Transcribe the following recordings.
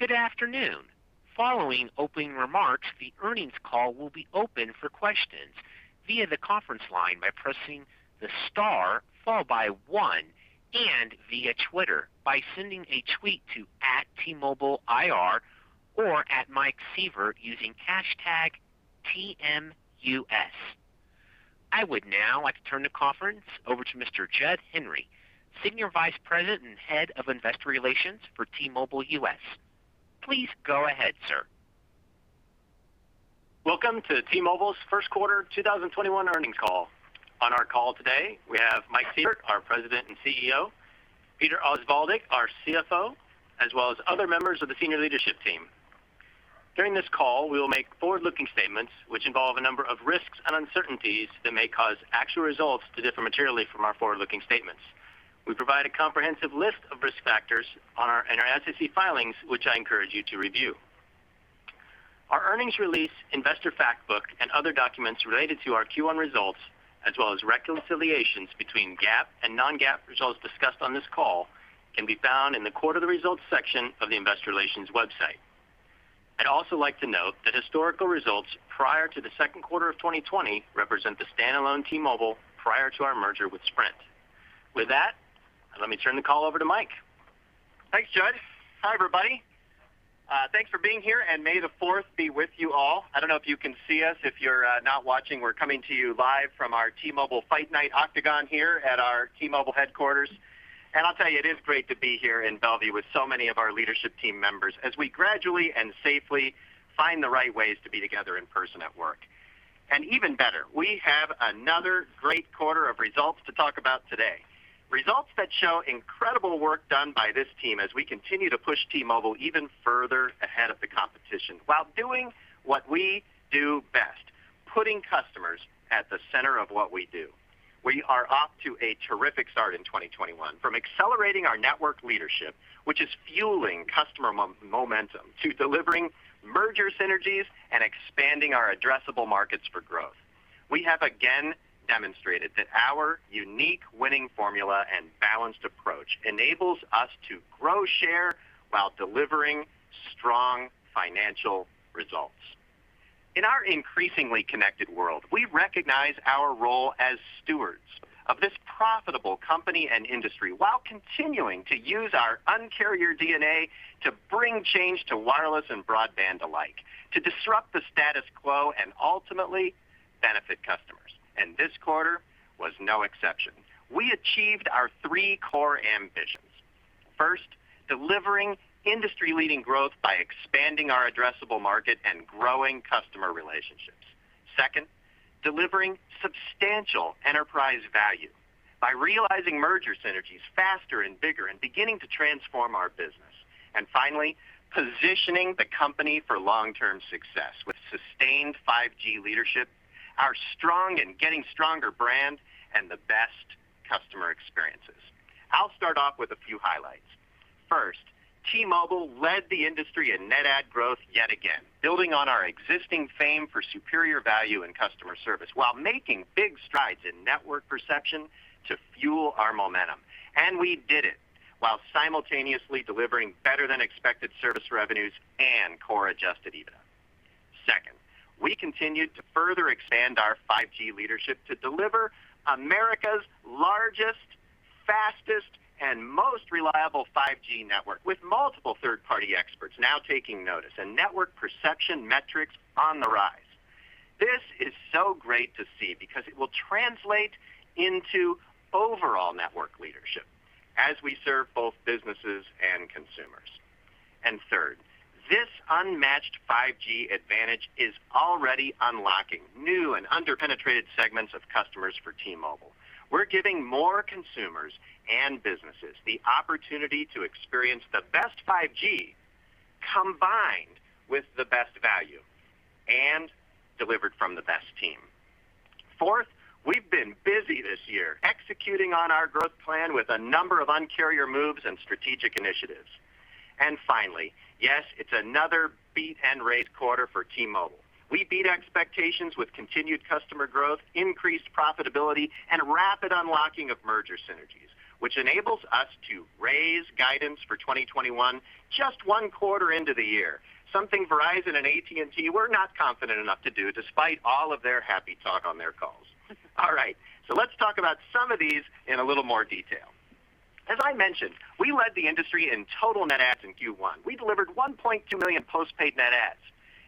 Good afternoon. Following opening remarks, the earnings call will be open for questions via the conference line by pressing the star followed by one, and via Twitter by sending a tweet to @TMobileIR or at Mike Sievert using hashtag TMUS. I would now like to turn the conference over to Mr. Jud Henry, Senior Vice President and Head of Investor Relations for T-Mobile US. Please go ahead, sir. Welcome to T-Mobile's first quarter 2021 earnings call. On our call today, we have Mike Sievert, our President and CEO, Peter Osvaldik, our CFO, as well as other members of the senior leadership team. During this call, we will make forward-looking statements which involve a number of risks and uncertainties that may cause actual results to differ materially from our forward-looking statements. We provide a comprehensive list of risk factors in our SEC filings, which I encourage you to review. Our earnings release, investor fact book, and other documents related to our Q1 results, as well as reconciliations between GAAP and non-GAAP results discussed on this call, can be found in the quarterly results section of the investor relations website. I'd also like to note that historical results prior to the second quarter of 2020 represent the standalone T-Mobile prior to our merger with Sprint. With that, let me turn the call over to Mike. Thanks, Jud. Hi, everybody. Thanks for being here. May the fourth be with you all. I don't know if you can see us. If you're not watching, we're coming to you live from our T-Mobile Fight Night octagon here at our T-Mobile headquarters. I'll tell you, it is great to be here in Bellevue with so many of our leadership team members as we gradually and safely find the right ways to be together in person at work. Even better, we have another great quarter of results to talk about today. Results that show incredible work done by this team as we continue to push T-Mobile even further ahead of the competition while doing what we do best, putting customers at the center of what we do. We are off to a terrific start in 2021, from accelerating our network leadership, which is fueling customer momentum, to delivering merger synergies and expanding our addressable markets for growth. We have again demonstrated that our unique winning formula and balanced approach enables us to grow share while delivering strong financial results. In our increasingly connected world, we recognize our role as stewards of this profitable company and industry while continuing to use our Un-carrier DNA to bring change to wireless and broadband alike, to disrupt the status quo and ultimately benefit customers. This quarter was no exception. We achieved our three core ambitions. First, delivering industry-leading growth by expanding our addressable market and growing customer relationships. Second, delivering substantial enterprise value by realizing merger synergies faster and bigger and beginning to transform our business. Finally, positioning the company for long-term success with sustained 5G leadership, our strong and getting stronger brand, and the best customer experiences. I'll start off with a few highlights. First, T-Mobile led the industry in net add growth yet again, building on our existing fame for superior value and customer service while making big strides in network perception to fuel our momentum. We did it while simultaneously delivering better than expected service revenues and core adjusted EBITDA. Second, we continued to further expand our 5G leadership to deliver America's largest, fastest, and most reliable 5G network with multiple third-party experts now taking notice and network perception metrics on the rise. This is so great to see because it will translate into overall network leadership as we serve both businesses and consumers. Third, this unmatched 5G advantage is already unlocking new and under-penetrated segments of customers for T-Mobile. We're giving more consumers and businesses the opportunity to experience the best 5G combined with the best value and delivered from the best team. Fourth, we've been busy this year executing on our growth plan with a number of Un-carrier moves and strategic initiatives. Finally, yes, it's another beat and raise quarter for T-Mobile. We beat expectations with continued customer growth, increased profitability, and rapid unlocking of merger synergies, which enables us to raise guidance for 2021 just one quarter into the year. Something Verizon and AT&T were not confident enough to do despite all of their happy talk on their calls. All right. Let's talk about some of these in a little more detail. As I mentioned, we led the industry in total net adds in Q1. We delivered 1.2 million postpaid net adds,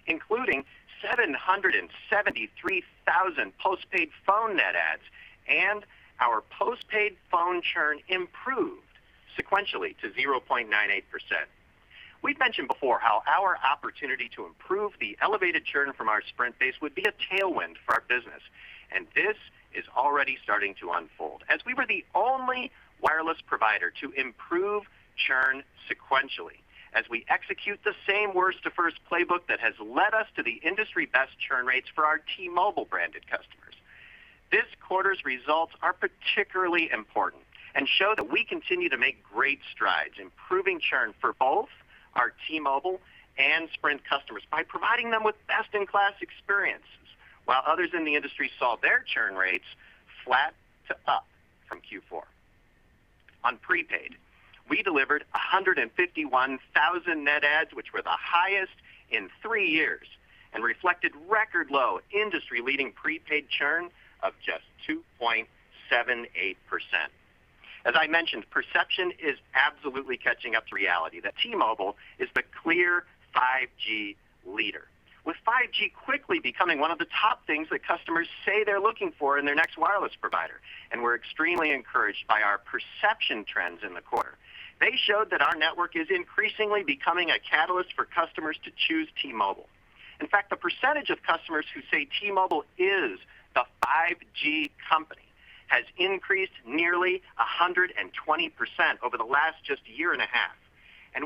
including 773,000 postpaid phone net adds, and our postpaid phone churn improved sequentially to 0.98%. We've mentioned before how our opportunity to improve the elevated churn from our Sprint base would be a tailwind for our business. This is already starting to unfold as we were the only wireless provider to improve churn sequentially as we execute the same worst to first playbook that has led us to the industry best churn rates for our T-Mobile branded customers. This quarter's results are particularly important and show that we continue to make great strides improving churn for both T-Mobile and Sprint customers by providing them with best-in-class experiences, while others in the industry saw their churn rates flat to up from Q4. On prepaid, we delivered 151,000 net adds, which were the highest in three years and reflected record-low, industry-leading prepaid churn of just 2.78%. As I mentioned, perception is absolutely catching up to reality that T-Mobile is the clear 5G leader, with 5G quickly becoming one of the top things that customers say they're looking for in their next wireless provider. We're extremely encouraged by our perception trends in the quarter. They showed that our network is increasingly becoming a catalyst for customers to choose T-Mobile. In fact, the percentage of customers who say T-Mobile is the 5G company has increased nearly 120% over the last just year and a half.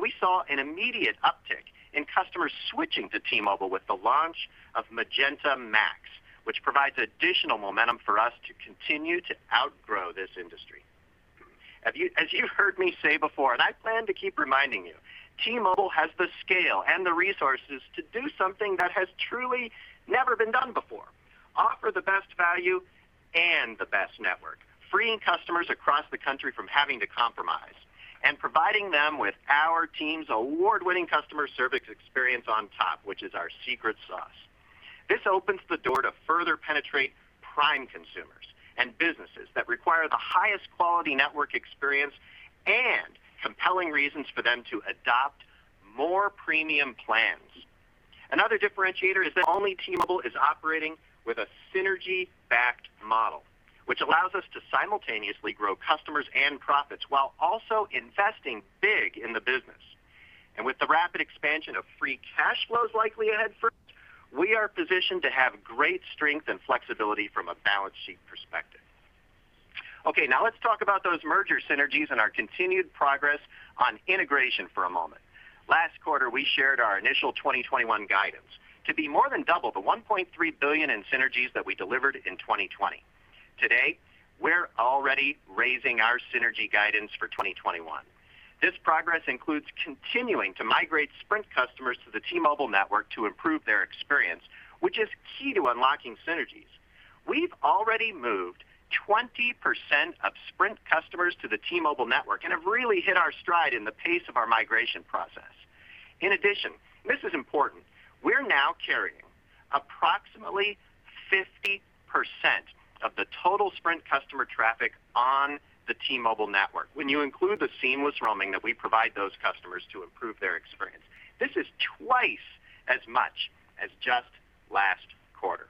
We saw an immediate uptick in customers switching to T-Mobile with the launch of Magenta MAX, which provides additional momentum for us to continue to outgrow this industry. As you've heard me say before, and I plan to keep reminding you, T-Mobile has the scale and the resources to do something that has truly never been done before. Offer the best value and the best network, freeing customers across the country from having to compromise, and providing them with our team's award-winning customer service experience on top, which is our secret sauce. This opens the door to further penetrate prime consumers and businesses that require the highest quality network experience and compelling reasons for them to adopt more premium plans. Another differentiator is that only T-Mobile is operating with a synergy-backed model, which allows us to simultaneously grow customers and profits while also investing big in the business. With the rapid expansion of free cash flows likely ahead for us, we are positioned to have great strength and flexibility from a balance sheet perspective. Okay, now let's talk about those merger synergies and our continued progress on integration for a moment. Last quarter, we shared our initial 2021 guidance to be more than double the $1.3 billion in synergies that we delivered in 2020. Today, we're already raising our synergy guidance for 2021. This progress includes continuing to migrate Sprint customers to the T-Mobile network to improve their experience, which is key to unlocking synergies. We've already moved 20% of Sprint customers to the T-Mobile network and have really hit our stride in the pace of our migration process. In addition, this is important, we're now carrying approximately 50% of the total Sprint customer traffic on the T-Mobile network when you include the seamless roaming that we provide those customers to improve their experience. This is twice as much as just last quarter.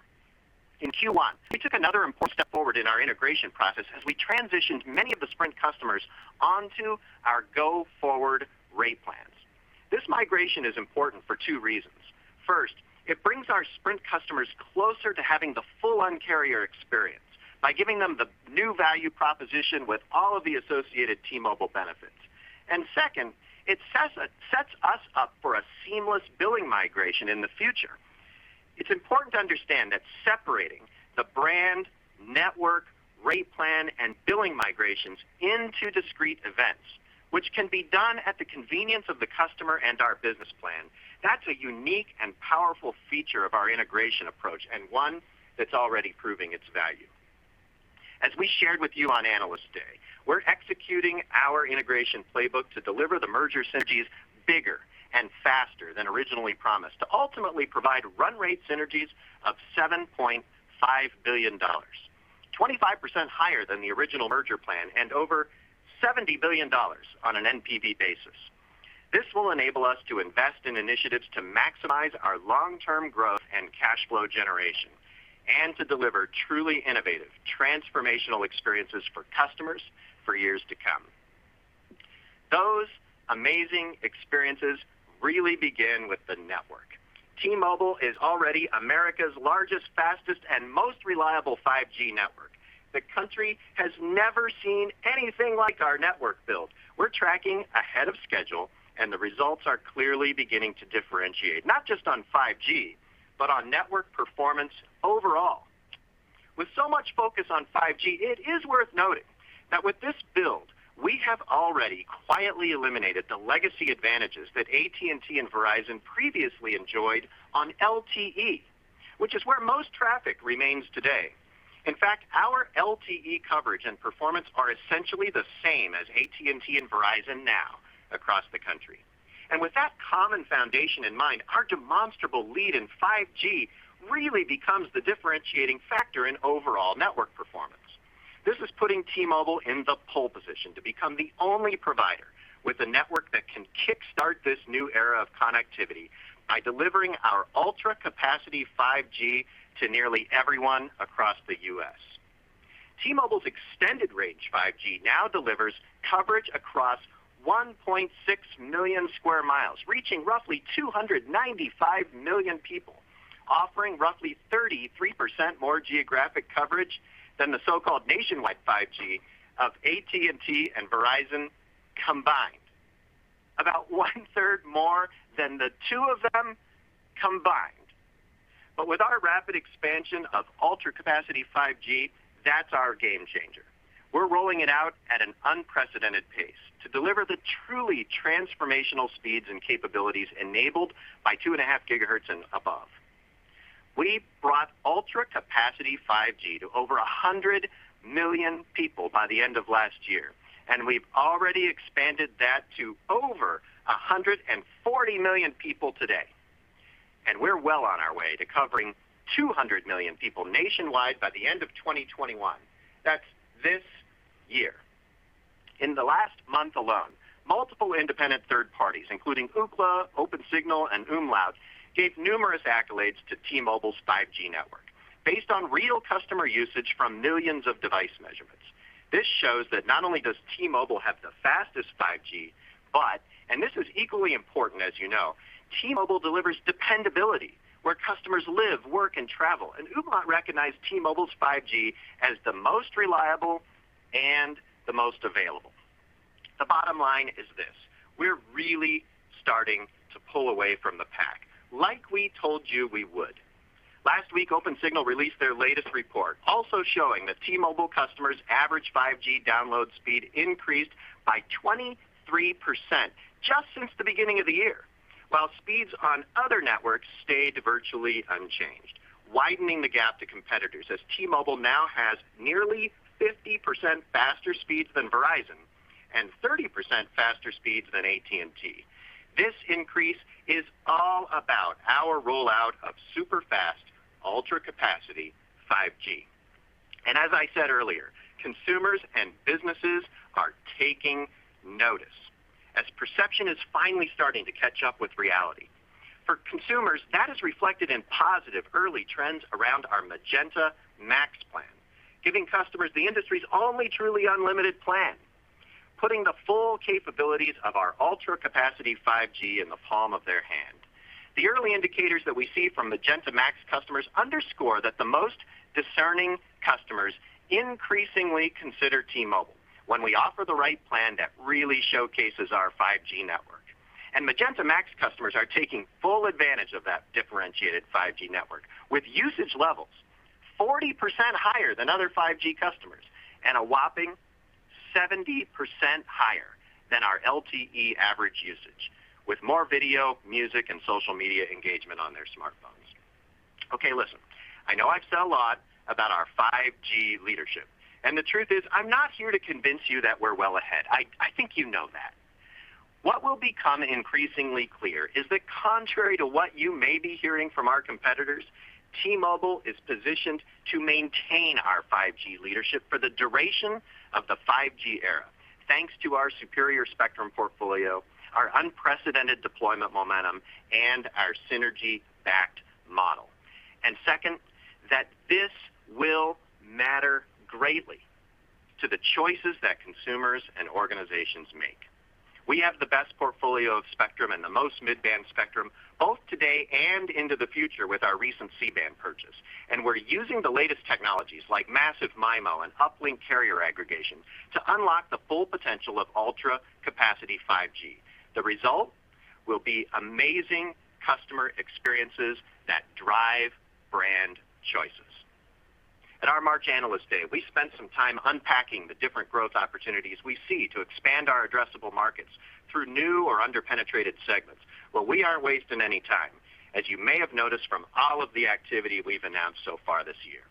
In Q1, we took another important step forward in our integration process as we transitioned many of the Sprint customers onto our go-forward rate plans. This migration is important for two reasons. First, it brings our Sprint customers closer to having the full Un-carrier experience by giving them the new value proposition with all of the associated T-Mobile benefits. Second, it sets us up for a seamless billing migration in the future. It's important to understand that separating the brand, network, rate plan, and billing migrations into discrete events, which can be done at the convenience of the customer and our business plan, that's a unique and powerful feature of our integration approach, and one that's already proving its value. As we shared with you on Analyst Day, we're executing our integration playbook to deliver the merger synergies bigger and faster than originally promised to ultimately provide run rate synergies of $7.5 billion, 25% higher than the original merger plan and over $70 billion on an NPV basis. This will enable us to invest in initiatives to maximize our long-term growth and cash flow generation and to deliver truly innovative, transformational experiences for customers for years to come. Those amazing experiences really begin with the network. T-Mobile is already America's largest, fastest, and most reliable 5G network. The country has never seen anything like our network build. We're tracking ahead of schedule, and the results are clearly beginning to differentiate, not just on 5G, but on network performance overall. With so much focus on 5G, it is worth noting that with this build, we have already quietly eliminated the legacy advantages that AT&T and Verizon previously enjoyed on LTE, which is where most traffic remains today. In fact, our LTE coverage and performance are essentially the same as AT&T and Verizon now across the country. With that common foundation in mind, our demonstrable lead in 5G really becomes the differentiating factor in overall network performance. This is putting T-Mobile in the pole position to become the only provider with a network that can kickstart this new era of connectivity by delivering our Ultra Capacity 5G to nearly everyone across the U.S. T-Mobile's Extended Range 5G now delivers coverage across 1.6 million sq mi, reaching roughly 295 million people, offering roughly 33% more geographic coverage than the so-called nationwide 5G of AT&T and Verizon combined. About one-third more than the two of them combined. With our rapid expansion of Ultra Capacity 5G, that's our game changer. We're rolling it out at an unprecedented pace to deliver the truly transformational speeds and capabilities enabled by two and a half gigahertz and above. We brought Ultra Capacity 5G to over 100 million people by the end of last year. We've already expanded that to over 140 million people today. We're well on our way to covering 200 million people nationwide by the end of 2021. That's this year. In the last month alone, multiple independent third parties, including Ookla, Opensignal, and umlaut, gave numerous accolades to T-Mobile's 5G network based on real customer usage from millions of device measurements. This shows that not only does T-Mobile have the fastest 5G, but, this is equally important as you know, T-Mobile delivers dependability where customers live, work, and travel. Ookla recognized T-Mobile's 5G as the most reliable and the most available. The bottom line is this, we're really starting to pull away from the pack like we told you we would. Last week, Opensignal released their latest report also showing that T-Mobile customers' average 5G download speed increased by 23% just since the beginning of the year, while speeds on other networks stayed virtually unchanged, widening the gap to competitors as T-Mobile now has nearly 50% faster speeds than Verizon and 30% faster speeds than AT&T. This increase is all about our rollout of super-fast Ultra Capacity 5G. As I said earlier, consumers and businesses are taking notice as perception is finally starting to catch up with reality. For consumers, that is reflected in positive early trends around our Magenta MAX plan, giving customers the industry's only truly unlimited plan, putting the full capabilities of our Ultra Capacity 5G in the palm of their hand. The early indicators that we see from Magenta MAX customers underscore that the most discerning customers increasingly consider T-Mobile when we offer the right plan that really showcases our 5G network. Magenta MAX customers are taking full advantage of that differentiated 5G network with usage levels 40% higher than other 5G customers and a whopping 70% higher than our LTE average usage, with more video, music, and social media engagement on their smartphones. Okay, listen. I know I've said a lot about our 5G leadership, and the truth is, I'm not here to convince you that we're well ahead. I think you know that. What will become increasingly clear is that contrary to what you may be hearing from our competitors, T-Mobile is positioned to maintain our 5G leadership for the duration of the 5G era, thanks to our superior spectrum portfolio, our unprecedented deployment momentum, and our synergy-backed model. Second, that this will matter greatly to the choices that consumers and organizations make. We have the best portfolio of spectrum and the most mid-band spectrum both today and into the future with our recent C-band purchase. We're using the latest technologies like Massive MIMO and uplink carrier aggregation to unlock the full potential of Ultra Capacity 5G. The result will be amazing customer experiences that drive brand choices. At our March Analyst Day, we spent some time unpacking the different growth opportunities we see to expand our addressable markets through new or under-penetrated segments. Well, we aren't wasting any time, as you may have noticed from all of the activity we've announced so far this year.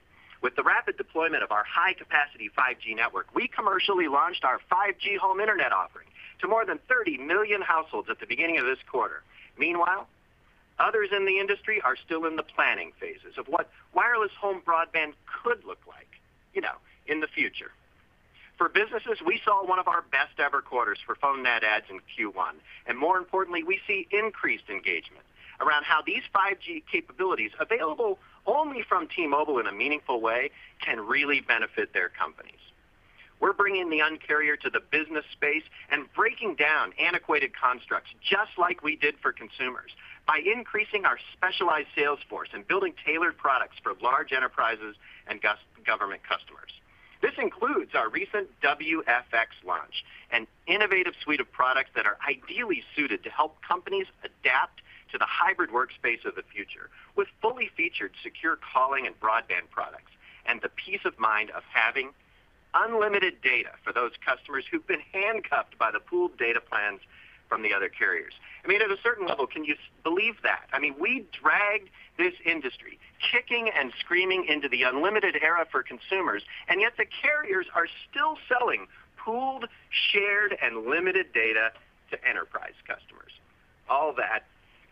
With the rapid deployment of our high-capacity 5G network, we commercially launched our 5G Home Internet offering to more than 30 million households at the beginning of this quarter. Meanwhile, others in the industry are still in the planning phases of what wireless home broadband could look like in the future. For businesses, we saw one of our best-ever quarters for phone net adds in Q1, and more importantly, we see increased engagement around how these 5G capabilities, available only from T-Mobile in a meaningful way, can really benefit their companies. We're bringing the Un-carrier to the business space and breaking down antiquated constructs just like we did for consumers by increasing our specialized sales force and building tailored products for large enterprises and government customers. This includes our recent T-Mobile WFX launch, an innovative suite of products that are ideally suited to help companies adapt to the hybrid workspace of the future with fully featured secure calling and broadband products and the peace of mind of having unlimited data for those customers who've been handcuffed by the pooled data plans from the other carriers. I mean, at a certain level, can you believe that? Yet the carriers are still selling pooled, shared, and limited data to enterprise customers. All that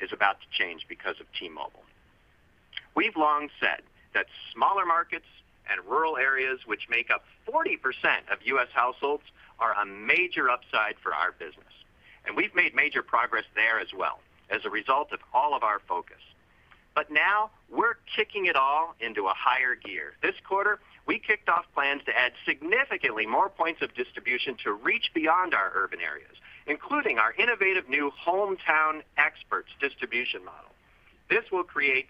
is about to change because of T-Mobile. We've long said that smaller markets and rural areas, which make up 40% of U.S. households, are a major upside for our business. We've made major progress there as well as a result of all of our focus. Now we're kicking it all into a higher gear. This quarter, we kicked off plans to add significantly more points of distribution to reach beyond our urban areas, including our innovative new Hometown Experts distribution model. This will create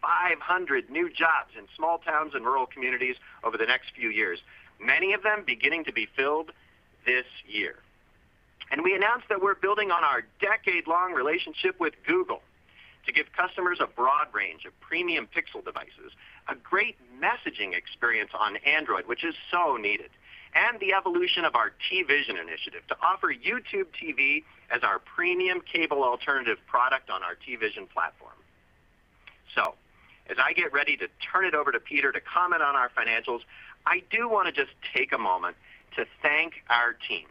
7,500 new jobs in small towns and rural communities over the next few years, many of them beginning to be filled this year. We announced that we're building on our decade-long relationship with Google to give customers a broad range of premium Pixel devices, a great messaging experience on Android, which is so needed, and the evolution of our TVision initiative to offer YouTube TV as our premium cable alternative product on our TVision platform. As I get ready to turn it over to Peter to comment on our financials, I do want to just take a moment to thank our team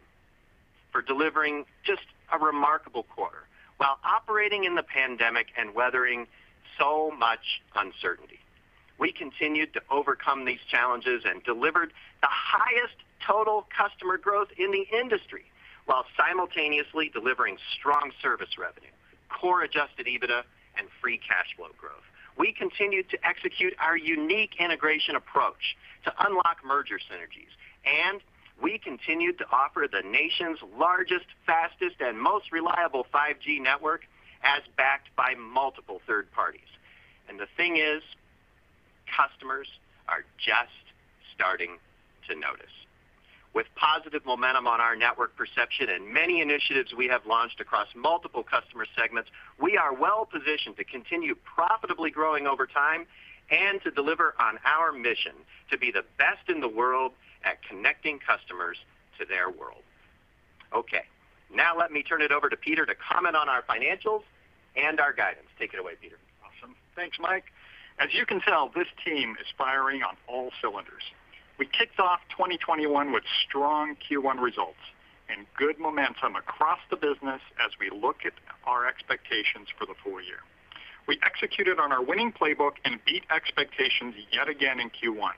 for delivering just a remarkable quarter while operating in the pandemic and weathering so much uncertainty. We continued to overcome these challenges and delivered the highest total customer growth in the industry, while simultaneously delivering strong service revenue, core adjusted EBITDA, and free cash flow growth. We continued to execute our unique integration approach to unlock merger synergies, we continued to offer the nation's largest, fastest, and most reliable 5G network, as backed by multiple third parties. The thing is, customers are just starting to notice. With positive momentum on our network perception and many initiatives we have launched across multiple customer segments, we are well positioned to continue profitably growing over time and to deliver on our mission to be the best in the world at connecting customers to their world. Okay. Let me turn it over to Peter to comment on our financials and our guidance. Take it away, Peter. Awesome. Thanks, Mike. As you can tell, this team is firing on all cylinders. We kicked off 2021 with strong Q1 results and good momentum across the business as we look at our expectations for the full year. We executed on our winning playbook and beat expectations yet again in Q1.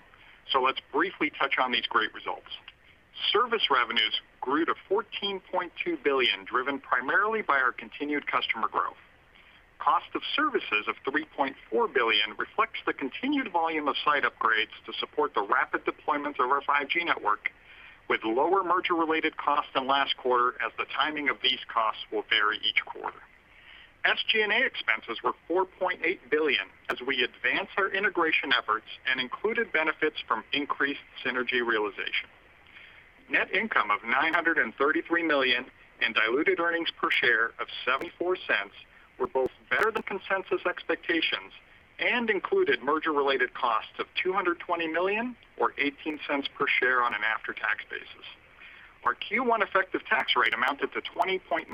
Let's briefly touch on these great results. Service revenues grew to $14.2 billion, driven primarily by our continued customer growth. Cost of services of $3.4 billion reflects the continued volume of site upgrades to support the rapid deployment of our 5G network, with lower merger-related costs than last quarter as the timing of these costs will vary each quarter. SG&A expenses were $4.8 billion as we advance our integration efforts and included benefits from increased synergy realization. Net income of $933 million and diluted earnings per share of $0.74 were both better than consensus expectations and included merger-related costs of $220 million or $0.18 per share on an after-tax basis. Our Q1 effective tax rate amounted to 20.9%,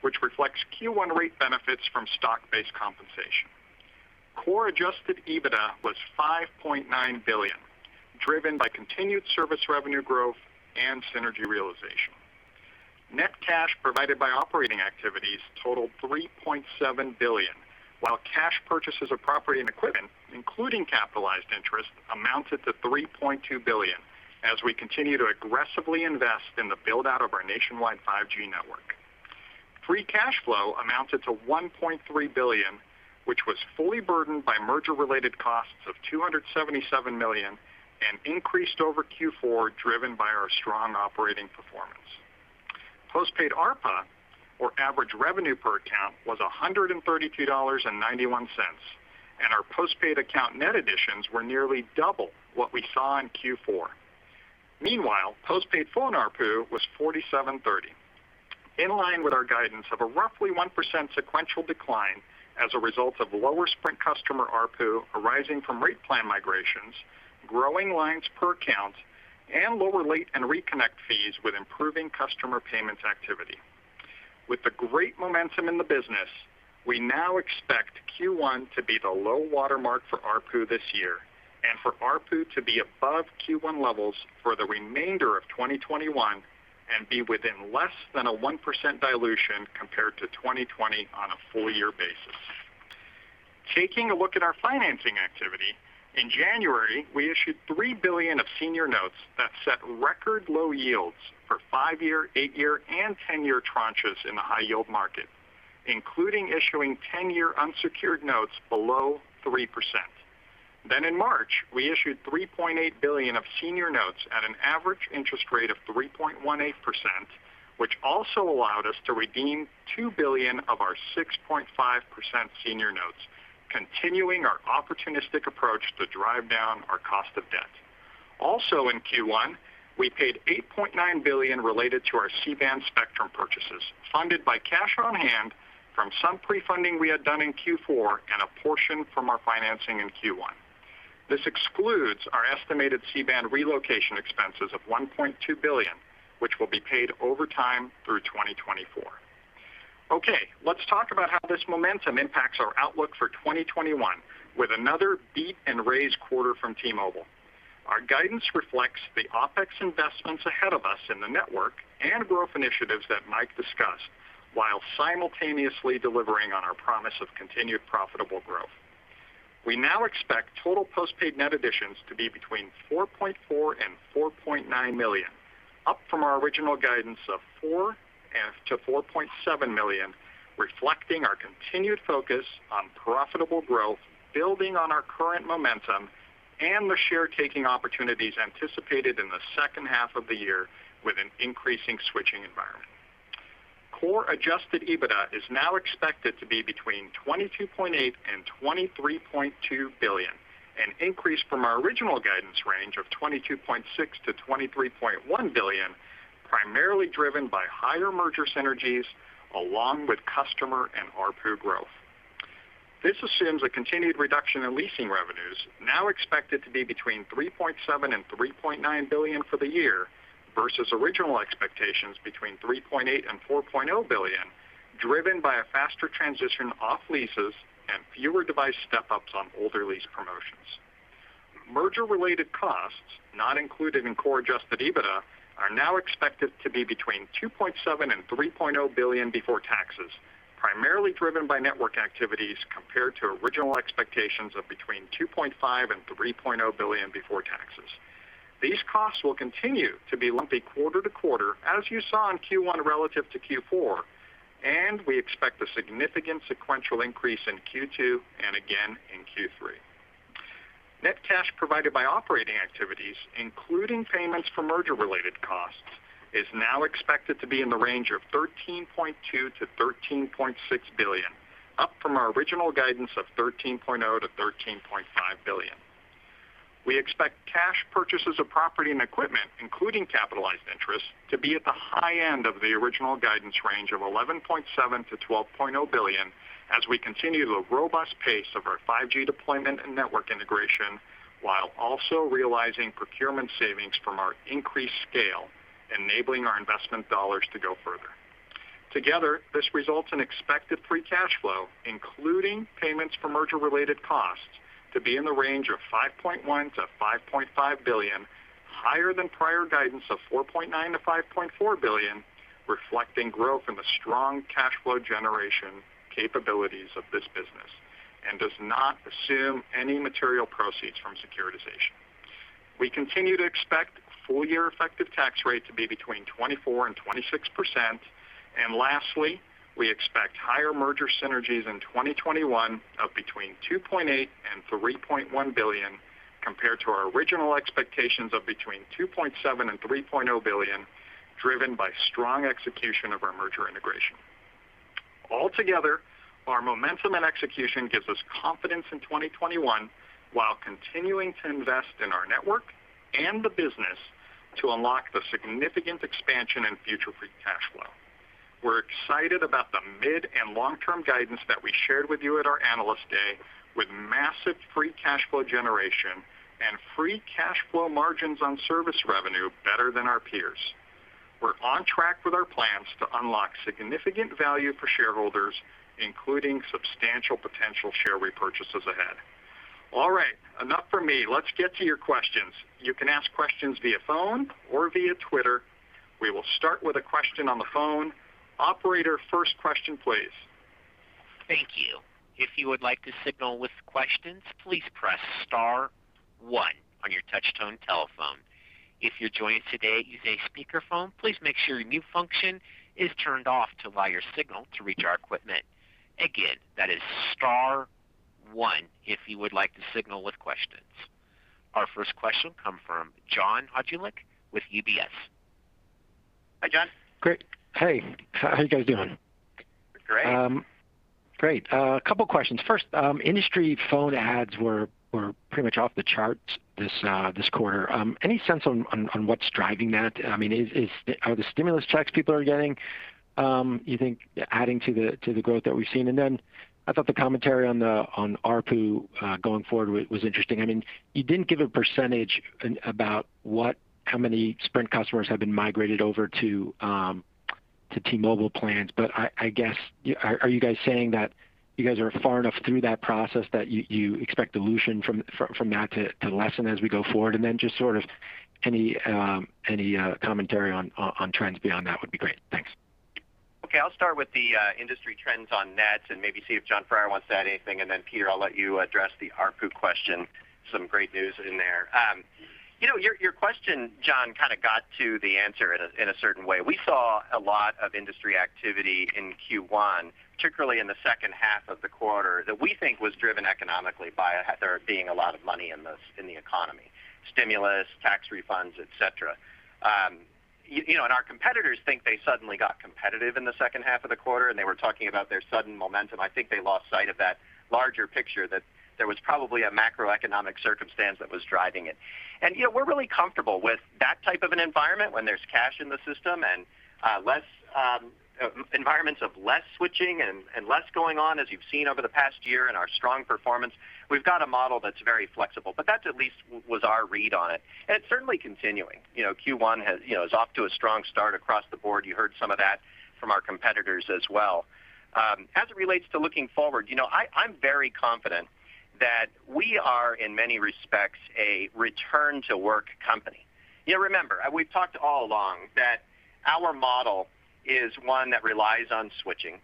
which reflects Q1 rate benefits from stock-based compensation. Core adjusted EBITDA was $5.9 billion, driven by continued service revenue growth and synergy realization. Net cash provided by operating activities totaled $3.7 billion, while cash purchases of property and equipment, including capitalized interest, amounted to $3.2 billion as we continue to aggressively invest in the build-out of our nationwide 5G network. Free cash flow amounted to $1.3 billion, which was fully burdened by merger-related costs of $277 million and increased over Q4, driven by our strong operating performance. Postpaid ARPA, or average revenue per account, was $132.91, and our postpaid account net additions were nearly double what we saw in Q4. Meanwhile, postpaid phone ARPU was $47.30, in line with our guidance of a roughly 1% sequential decline as a result of lower Sprint customer ARPU arising from rate plan migrations, growing lines per account, and lower late and reconnect fees with improving customer payments activity. With the great momentum in the business, we now expect Q1 to be the low water mark for ARPU this year, and for ARPU to be above Q1 levels for the remainder of 2021 and be within less than a 1% dilution compared to 2020 on a full-year basis. Taking a look at our financing activity, in January, we issued $3 billion of senior notes that set record low yields for five-year, eight-year, and 10-year tranches in the high yield market, including issuing 10-year unsecured notes below 3%. In March, we issued $3.8 billion of senior notes at an average interest rate of 3.18%, which also allowed us to redeem $2 billion of our 6.5% senior notes, continuing our opportunistic approach to drive down our cost of debt. Also in Q1, we paid $8.9 billion related to our C-band spectrum purchases, funded by cash on hand from some pre-funding we had done in Q4 and a portion from our financing in Q1. This excludes our estimated C-band relocation expenses of $1.2 billion, which will be paid over time through 2024. Okay. Let's talk about how this momentum impacts our outlook for 2021 with another beat and raise quarter from T-Mobile. Our guidance reflects the OpEx investments ahead of us in the network and growth initiatives that Mike discussed while simultaneously delivering on our promise of continued profitable growth. We now expect total postpaid net additions to be between 4.4 million and 4.9 million, up from our original guidance of 4 million-4.7 million, reflecting our continued focus on profitable growth, building on our current momentum, and the share taking opportunities anticipated in the second half of the year with an increasing switching environment. Core adjusted EBITDA is now expected to be between $22.8 billion and $23.2 billion, an increase from our original guidance range of $22.6 billion-$23.1 billion, primarily driven by higher merger synergies along with customer and ARPU growth. This assumes a continued reduction in leasing revenues, now expected to be between $3.7 billion and $3.9 billion for the year versus original expectations between $3.8 billion and $4.0 billion, driven by a faster transition off leases and fewer device step-ups on older lease promotions. Merger-related costs, not included in core adjusted EBITDA, are now expected to be between $2.7 billion and $3.0 billion before taxes, primarily driven by network activities, compared to original expectations of between $2.5 billion and $3.0 billion before taxes. These costs will continue to be lumpy quarter to quarter, as you saw in Q1 relative to Q4, and we expect a significant sequential increase in Q2 and again in Q3. Net cash provided by operating activities, including payments for merger-related costs, is now expected to be in the range of $13.2 billion-$13.6 billion, up from our original guidance of $13.0 billion-$13.5 billion. We expect cash purchases of property and equipment, including capitalized interest, to be at the high end of the original guidance range of $11.7 billion-$12.0 billion as we continue the robust pace of our 5G deployment and network integration, while also realizing procurement savings from our increased scale, enabling our investment dollars to go further. Together, this results in expected free cash flow, including payments for merger-related costs, to be in the range of $5.1 billion-$5.5 billion, higher than prior guidance of $4.9 billion-$5.4 billion, reflecting growth in the strong cash flow generation capabilities of this business and does not assume any material proceeds from securitization. We continue to expect full-year effective tax rate to be between 24%-26%. Lastly, we expect higher merger synergies in 2021 of between $2.8 billion and $3.1 billion, compared to our original expectations of between $2.7 billion and $3.0 billion, driven by strong execution of our merger integration. Altogether, our momentum and execution gives us confidence in 2021 while continuing to invest in our network and the business to unlock the significant expansion in future free cash flow. We're excited about the mid and long-term guidance that we shared with you at our Analyst Day, with massive free cash flow generation and free cash flow margins on service revenue better than our peers. We're on track with our plans to unlock significant value for shareholders, including substantial potential share repurchases ahead. All right, enough from me. Let's get to your questions. You can ask questions via phone or via Twitter. We will start with a question on the phone. Operator, first question, please. Thank you. If you would like to signal with questions, please press star one on your touch-tone telephone. If you're joining today using a speakerphone, please make sure your mute function is turned off to allow your signal to reach our equipment. Again, that is star one if you would like to signal with questions. Our first question comes from John Hodulik with UBS. Hi, John. Great. Hey, how you guys doing? Great. Great. A couple questions. First, industry phone ads were pretty much off the charts this quarter. Any sense on what's driving that? Are the stimulus checks people are getting, you think, adding to the growth that we've seen? I thought the commentary on ARPU going forward was interesting. You didn't give a percentage about how many Sprint customers have been migrated over to T-Mobile plans. I guess, are you guys saying that you guys are far enough through that process that you expect dilution from that to lessen as we go forward? Just sort of any commentary on trends beyond that would be great. Thanks. I'll start with the industry trends on nets and maybe see if Jon Freier wants to add anything, and then Peter, I'll let you address the ARPU question, some great news in there. Your question, John, kind of got to the answer in a certain way. We saw a lot of industry activity in Q1, particularly in the second half of the quarter, that we think was driven economically by there being a lot of money in the economy, stimulus, tax refunds, et cetera. Our competitors think they suddenly got competitive in the second half of the quarter, and they were talking about their sudden momentum. I think they lost sight of that larger picture, that there was probably a macroeconomic circumstance that was driving it. We're really comfortable with that type of an environment when there's cash in the system and environments of less switching and less going on, as you've seen over the past year and our strong performance. We've got a model that's very flexible. That at least was our read on it. It's certainly continuing. Q1 is off to a strong start across the board. You heard some of that from our competitors as well. As it relates to looking forward, I'm very confident that we are, in many respects, a return-to-work company. Remember, we've talked all along that our model is one that relies on switching,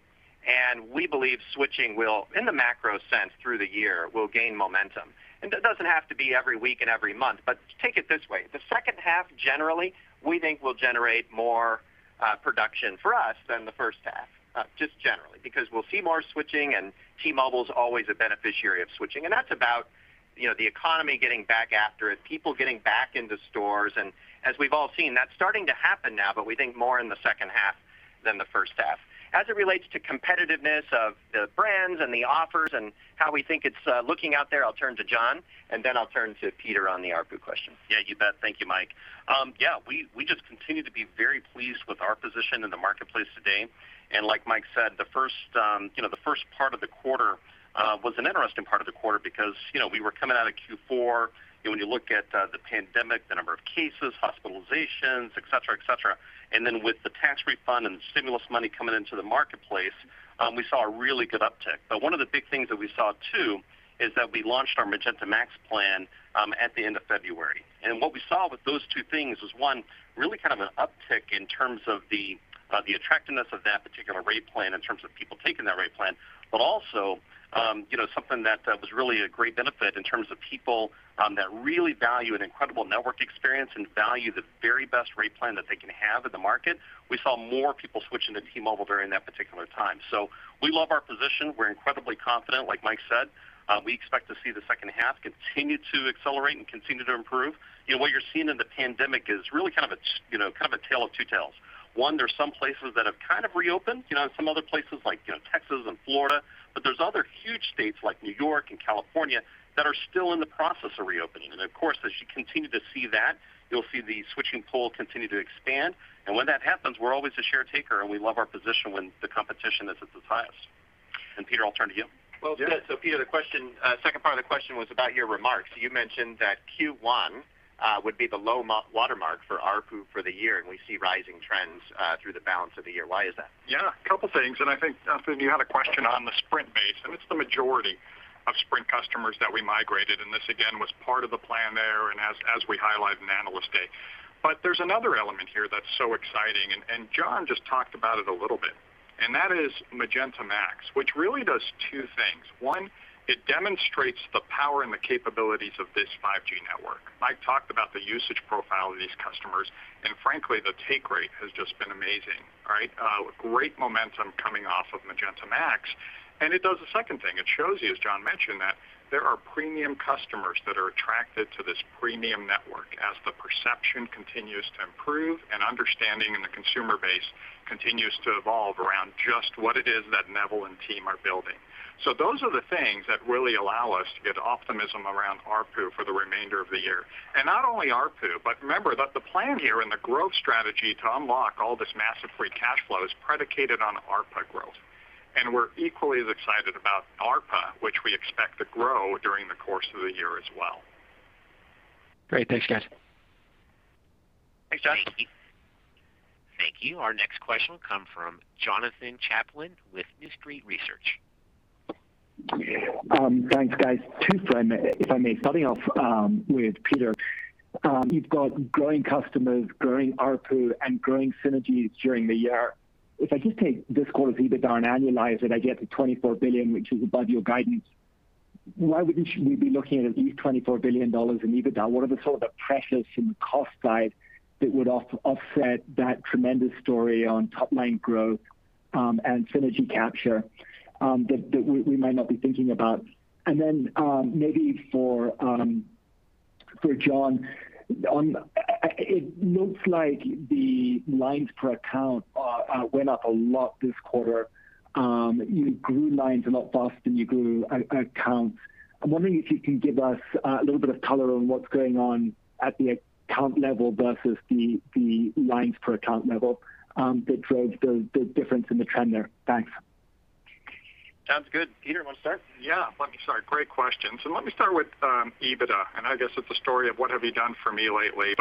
and we believe switching will, in the macro sense through the year, will gain momentum. That doesn't have to be every week and every month, but take it this way. The second half, generally, we think will generate more production for us than the first half. Just generally, because we'll see more switching, and T-Mobile's always a beneficiary of switching. That's about the economy getting back after it, people getting back into stores. As we've all seen, that's starting to happen now, but we think more in the second half than the first half. As it relates to competitiveness of the brands and the offers and how we think it's looking out there, I'll turn to Jon, and then I'll turn to Peter on the ARPU question. Yeah, you bet. Thank you, Mike. Yeah, we just continue to be very pleased with our position in the marketplace today. Like Mike said, the first part of the quarter was an interesting part of the quarter because we were coming out of Q4, and when you look at the pandemic, the number of cases, hospitalizations, et cetera. With the tax refund and the stimulus money coming into the marketplace, we saw a really good uptick. One of the big things that we saw, too, is that we launched our Magenta MAX plan at the end of February. What we saw with those two things was, one, really kind of an uptick in terms of the attractiveness of that particular rate plan in terms of people taking that rate plan. Also, something that was really a great benefit in terms of people that really value an incredible network experience and value the very best rate plan that they can have in the market. We saw more people switching to T-Mobile during that particular time. We love our position. We're incredibly confident, like Mike said. We expect to see the second half continue to accelerate and continue to improve. What you're seeing in the pandemic is really a tale of two tales. One, there's some places that have kind of reopened, some other places like Texas and Florida. There's other huge states like New York and California that are still in the process of reopening. Of course, as you continue to see that, you'll see the switching pool continue to expand. When that happens, we're always the share taker, and we love our position when the competition is at its highest. Peter, I'll turn to you. Well said. Peter, the second part of the question was about your remarks. You mentioned that Q1 would be the low water mark for ARPU for the year, and we see rising trends through the balance of the year. Why is that? Yeah. A couple of things, and I think you had a question on the Sprint base, and it's the majority of Sprint customers that we migrated. This, again, was part of the plan there and as we highlighted in Analyst Day. There's another element here that's so exciting, and John just talked about it a little bit, and that is Magenta MAX, which really does two things. One, it demonstrates the power and the capabilities of this 5G network. Mike talked about the usage profile of these customers, and frankly, the take rate has just been amazing. Great momentum coming off of Magenta MAX. It does a second thing. It shows you, as Jon mentioned, that there are premium customers that are attracted to this premium network as the perception continues to improve and understanding in the consumer base continues to evolve around just what it is that Neville and team are building. Those are the things that really allow us to get optimism around ARPU for the remainder of the year. Not only ARPU, but remember that the plan here and the growth strategy to unlock all this massive free cash flow is predicated on ARPA growth. We're equally as excited about ARPA, which we expect to grow during the course of the year as well. Great. Thanks, guys. Thanks, John. Thank you. Thank you. Our next question will come from Jonathan Chaplin with New Street Research. Thanks, guys. Two for, if I may. Starting off with Peter. You've got growing customers, growing ARPU, and growing synergies during the year. If I just take this quarter's EBITDA and annualize it, I get to $24 billion, which is above your guidance. Why wouldn't we be looking at at least $24 billion in EBITDA? What are the sort of pressures from the cost side that would offset that tremendous story on top-line growth and synergy capture that we might not be thinking about? Then maybe for Jon, it looks like the lines per account went up a lot this quarter. You grew lines a lot faster than you grew accounts. I'm wondering if you can give us a little bit of color on what's going on at the account level versus the lines per account level that drives the difference in the trend there. Thanks. Sounds good. Peter, you want to start? Yeah. Let me start. Great question. Let me start with EBITDA, and I guess it's a story of what have you done for me lately.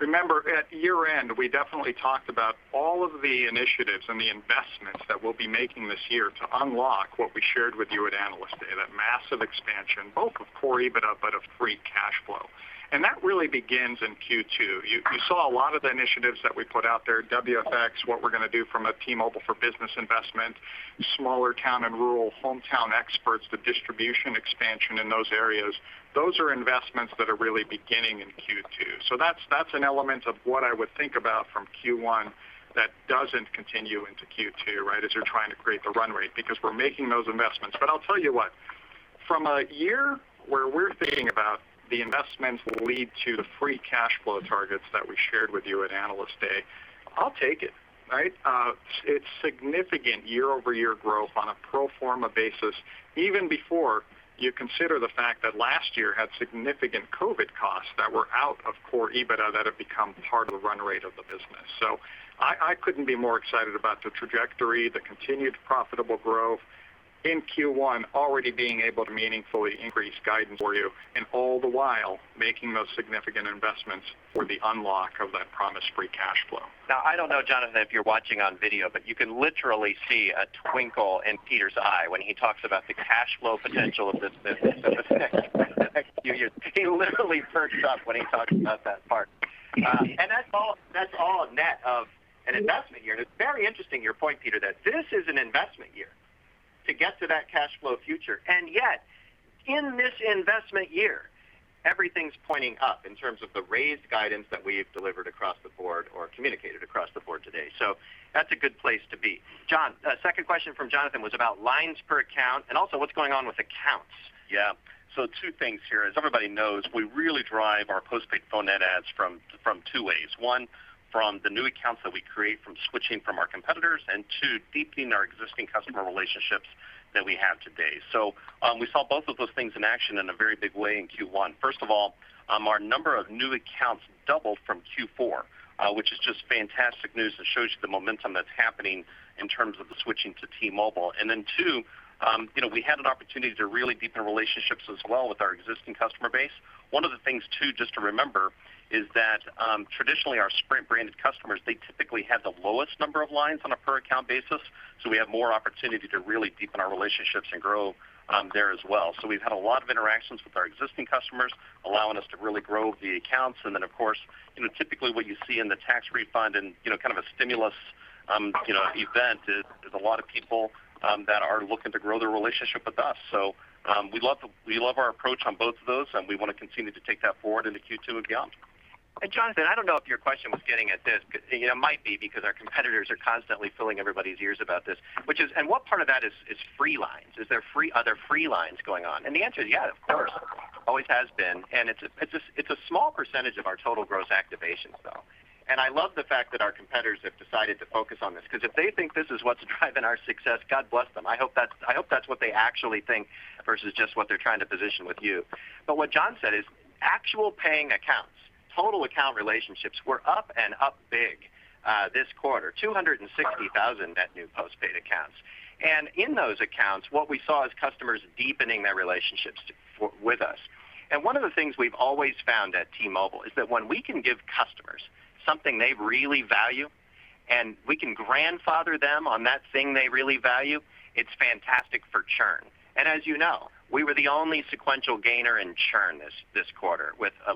Remember, at year-end, we definitely talked about all of the initiatives and the investments that we'll be making this year to unlock what we shared with you at Analyst Day, that massive expansion, both of core EBITDA but of free cash flow. That really begins in Q2. You saw a lot of the initiatives that we put out there, T-Mobile WFX, what we're going to do from a T-Mobile for Business investment, smaller town and rural hometown experts, the distribution expansion in those areas. Those are investments that are really beginning in Q2. That's an element of what I would think about from Q1 that doesn't continue into Q2, as you're trying to create the run rate, because we're making those investments. I'll tell you what, from a year where we're thinking about the investments lead to the free cash flow targets that we shared with you at Analyst Day, I'll take it. It's significant year-over-year growth on a pro forma basis, even before you consider the fact that last year had significant COVID costs that were out of core EBITDA that have become part of the run rate of the business. I couldn't be more excited about the trajectory, the continued profitable growth in Q1, already being able to meaningfully increase guidance for you, and all the while making those significant investments for the unlock of that promised free cash flow. I don't know, Jonathan, if you're watching on video, but you can literally see a twinkle in Peter's eye when he talks about the cash flow potential of this business in the next few years. He literally perks up when he talks about that part. That's all a net of an investment year. It's very interesting, your point, Peter, that this is an investment year. To get to that cash flow future. Yet, in this investment year, everything's pointing up in terms of the raised guidance that we've delivered across the board or communicated across the board today. That's a good place to be. Jon, second question from Jonathan was about lines per account and also what's going on with accounts. Yeah. Two things here. As everybody knows, we really drive our postpaid phone net adds from two ways. One, from the new accounts that we create from switching from our competitors, and two, deepening our existing customer relationships that we have today. We saw both of those things in action in a very big way in Q1. First of all, our number of new accounts doubled from Q4, which is just fantastic news that shows you the momentum that's happening in terms of the switching to T-Mobile. Two, we had an opportunity to really deepen relationships as well with our existing customer base. One of the things too, just to remember, is that, traditionally our Sprint-branded customers, they typically had the lowest number of lines on a per account basis. We have more opportunity to really deepen our relationships and grow there as well. We've had a lot of interactions with our existing customers, allowing us to really grow the accounts. Of course, typically what you see in the tax refund and kind of a stimulus event is a lot of people that are looking to grow their relationship with us. We love our approach on both of those, and we want to continue to take that forward into Q2 and beyond. Jonathan, I don't know if your question was getting at this. It might be because our competitors are constantly filling everybody's ears about this, and what part of that is free lines? Are there free lines going on? The answer is yes, of course. Always has been, and it's a small percentage of our total gross activations, though. I love the fact that our competitors have decided to focus on this, because if they think this is what's driving our success, God bless them. I hope that's what they actually think versus just what they're trying to position with you. What John said is actual paying accounts, total account relationships were up and up big this quarter, 260,000 net new postpaid accounts. In those accounts, what we saw is customers deepening their relationships with us. One of the things we've always found at T-Mobile is that when we can give customers something they really value, and we can grandfather them on that thing they really value, it's fantastic for churn. As you know, we were the only sequential gainer in churn this quarter with a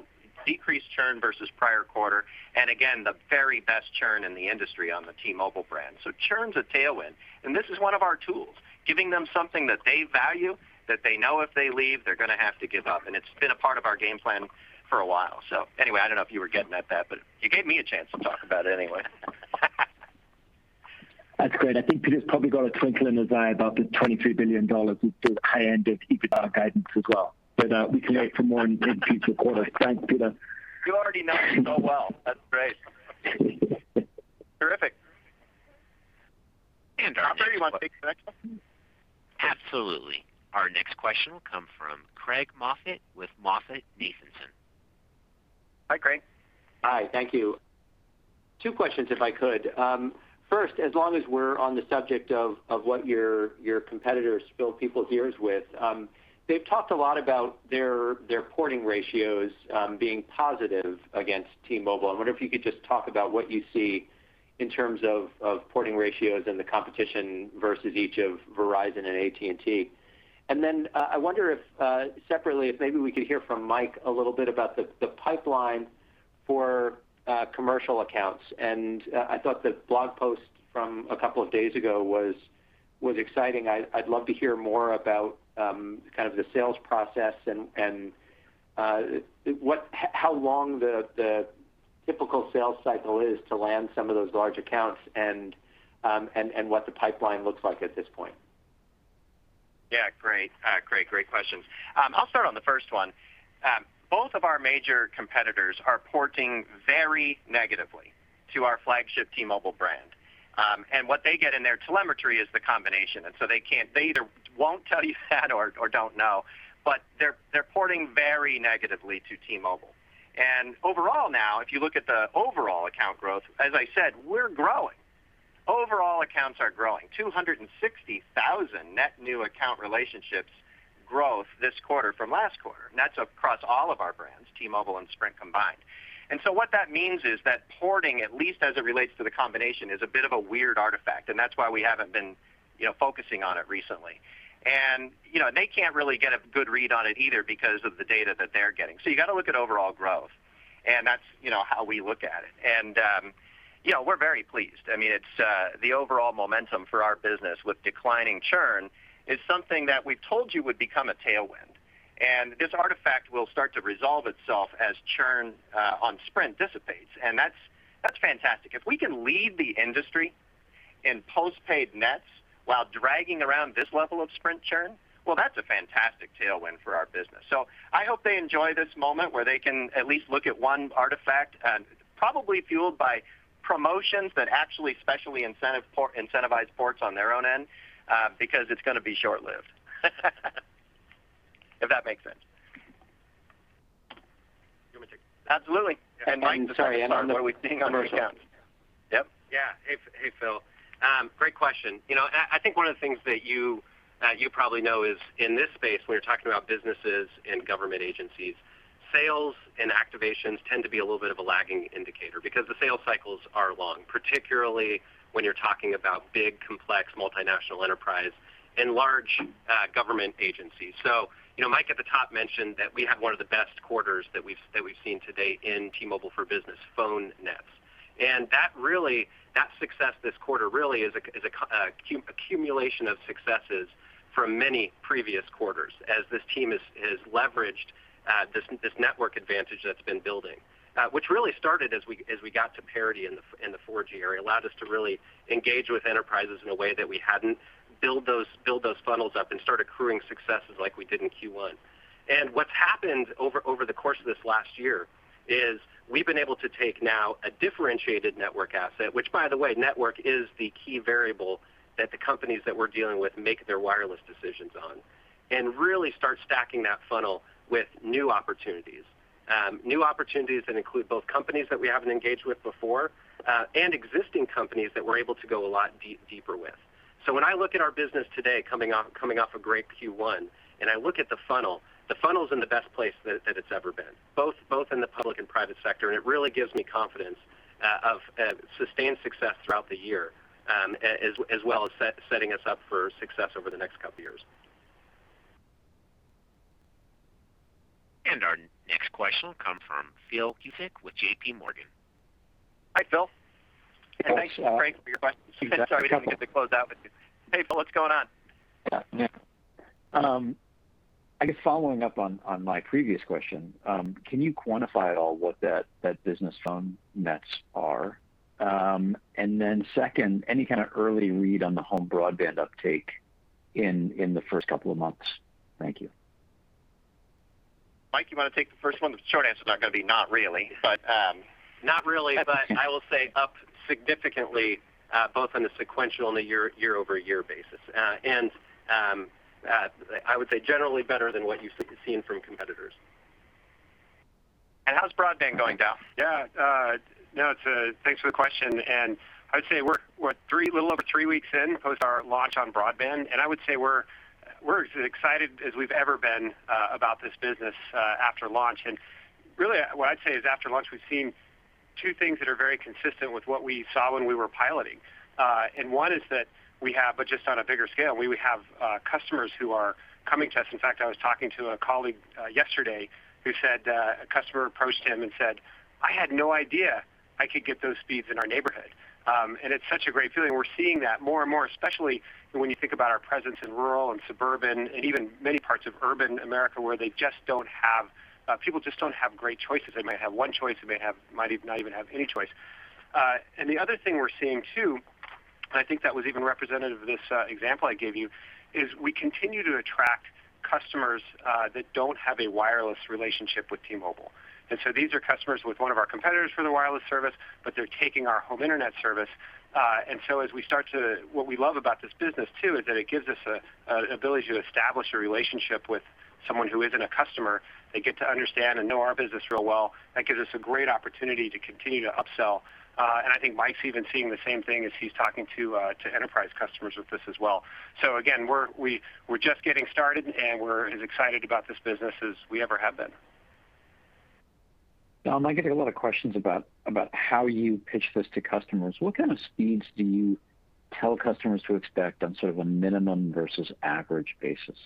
decreased churn versus prior quarter. Again, the very best churn in the industry on the T-Mobile brand. Churn's a tailwind, and this is one of our tools, giving them something that they value, that they know if they leave, they're going to have to give up, and it's been a part of our game plan for a while. Anyway, I don't know if you were getting at that, but you gave me a chance to talk about it anyway. That's great. I think Peter's probably got a twinkle in his eye about the $22 billion with the high end of EBITDA guidance as well, but we can wait for more in future quarters. Thanks, Peter. You already know me so well. That's great. Terrific. Operator, you want to take the next one? Absolutely. Our next question will come from Craig Moffett with MoffettNathanson. Hi, Craig. Hi. Thank you. Two questions if I could. First, as long as we're on the subject of what your competitors fill people's ears with. They've talked a lot about their porting ratios being positive against T-Mobile. I wonder if you could just talk about what you see in terms of porting ratios and the competition versus each of Verizon and AT&T. I wonder if, separately, if maybe we could hear from Mike a little bit about the pipeline for commercial accounts. I thought the blog post from a couple of days ago was exciting. I'd love to hear more about kind of the sales process and how long the typical sales cycle is to land some of those large accounts and what the pipeline looks like at this point? Yeah. Great. Great questions. I'll start on the first one. Both of our major competitors are porting very negatively to our flagship T-Mobile brand. What they get in their telemetry is the combination. They either won't tell you that or don't know, but they're porting very negatively to T-Mobile. Overall now, if you look at the overall account growth, as I said, we're growing. Overall accounts are growing. 260,000 net new account relationships growth this quarter from last quarter, and that's across all of our brands, T-Mobile and Sprint combined. What that means is that porting, at least as it relates to the combination, is a bit of a weird artifact, and that's why we haven't been focusing on it recently. They can't really get a good read on it either because of the data that they're getting. You got to look at overall growth, and that's how we look at it. We're very pleased. The overall momentum for our business with declining churn is something that we've told you would become a tailwind. This artifact will start to resolve itself as churn on Sprint dissipates. That's fantastic. If we can lead the industry in postpaid nets while dragging around this level of Sprint churn, well, that's a fantastic tailwind for our business. I hope they enjoy this moment where they can at least look at one artifact, and probably fueled by promotions that actually specially incentivize ports on their own end, because it's going to be short-lived. If that makes sense. Give me two. Absolutely. Mike, sorry, and on the commercial accounts. Yep. Yeah. Hey, Phil. Great question. I think one of the things that you probably know is in this space, when you're talking about businesses and government agencies, sales and activations tend to be a little bit of a lagging indicator because the sales cycles are long, particularly when you're talking about big, complex, multinational enterprise and large government agencies. Mike at the top mentioned that we have one of the best quarters that we've seen to date in T-Mobile for Business phone nets. That success this quarter really is an accumulation of successes from many previous quarters as this team has leveraged this network advantage that's been building. Which really started as we got to parity in the 4G area, allowed us to really engage with enterprises in a way that we hadn't, build those funnels up and start accruing successes like we did in Q1. What's happened over the course of this last year is we've been able to take now a differentiated network asset, which by the way, network is the key variable that the companies that we're dealing with make their wireless decisions on, and really start stacking that funnel with new opportunities. New opportunities that include both companies that we haven't engaged with before, and existing companies that we're able to go a lot deeper with. When I look at our business today, coming off a great Q1, and I look at the funnel, the funnel's in the best place that it's ever been, both in the public and private sector. It really gives me confidence of sustained success throughout the year, as well as setting us up for success over the next couple of years. Our next question will come from Philip Cusick with JPMorgan. Hi, Philip. Hey, folks. Thanks, Frank, for your question. Sorry we didn't get to close out with you. Hey, Phil, what's going on? Yeah. I guess following up on my previous question, can you quantify at all what that business phone nets are? Second, any kind of early read on the home broadband uptake in the first couple of months? Thank you. Mike, you want to take the first one? The short answer's going to be not really. Not really, but I will say up significantly, both on the sequential and the year-over-year basis. I would say generally better than what you've seen from competitors. How's broadband going, Jon? Yeah. Thanks for the question. I would say we're a little over three weeks in post our launch on broadband, and I would say we're as excited as we've ever been about this business after launch. Really what I'd say is after launch, we've seen two things that are very consistent with what we saw when we were piloting. One is that we have, but just on a bigger scale, we have customers who are coming to us. In fact, I was talking to a colleague yesterday who said a customer approached him and said, "I had no idea I could get those speeds in our neighborhood." It's such a great feeling. We're seeing that more and more, especially when you think about our presence in rural and suburban and even many parts of urban America where people just don't have great choices. They might have one choice. They might not even have any choice. The other thing we're seeing, too, and I think that was even representative of this example I gave you, is we continue to attract customers that don't have a wireless relationship with T-Mobile. These are customers with one of our competitors for the wireless service, but they're taking our home internet service. What we love about this business, too, is that it gives us an ability to establish a relationship with someone who isn't a customer. They get to understand and know our business real well. That gives us a great opportunity to continue to upsell. I think Mike's even seeing the same thing as he's talking to enterprise customers with this as well. Again, we're just getting started and we're as excited about this business as we ever have been. Jon, I get a lot of questions about how you pitch this to customers. What kind of speeds do you tell customers to expect on sort of a minimum versus average basis?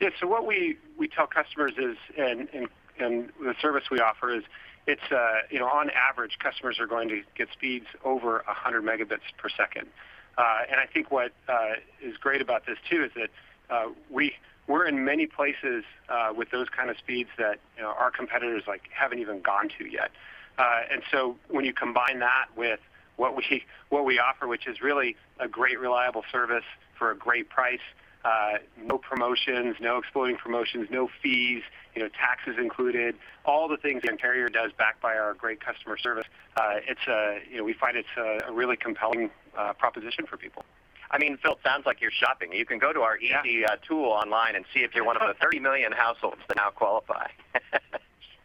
Yeah, what we tell customers is, and the service we offer is, on average, customers are going to get speeds over 100 megabits per second. I think what is great about this too is that we're in many places with those kind of speeds that our competitors haven't even gone to yet. When you combine that with what we offer, which is really a great reliable service for a great price, no promotions, no exploding promotions, no fees, taxes included, all the things does backed by our great customer service. We find it's a really compelling proposition for people. Phil, it sounds like you're shopping. You can go to our easy tool online and see if you're one of the 30 million households that now qualify.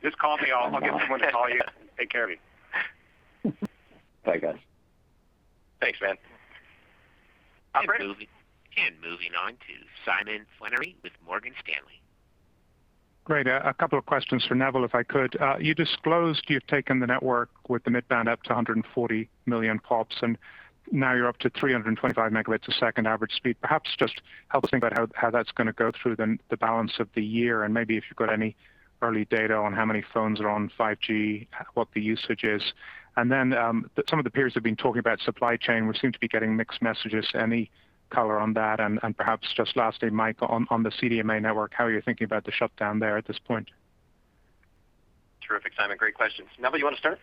Just call me. I'll get someone to call you and take care of you. Bye, guys. Thanks, man. Moving on to Simon Flannery with Morgan Stanley. Great. A couple of questions for Neville, if I could. You disclosed you've taken the network with the mid band up to 140 million pops, and now you're up to 325 Mbps average speed. Perhaps just help us think about how that's going to go through the balance of the year, maybe if you've got any early data on how many phones are on 5G, what the usage is. Some of the peers have been talking about supply chain. We seem to be getting mixed messages. Any color on that? Perhaps just lastly, Mike, on the CDMA network, how are you thinking about the shutdown there at this point? Terrific, Simon. Great questions. Neville, you want to start?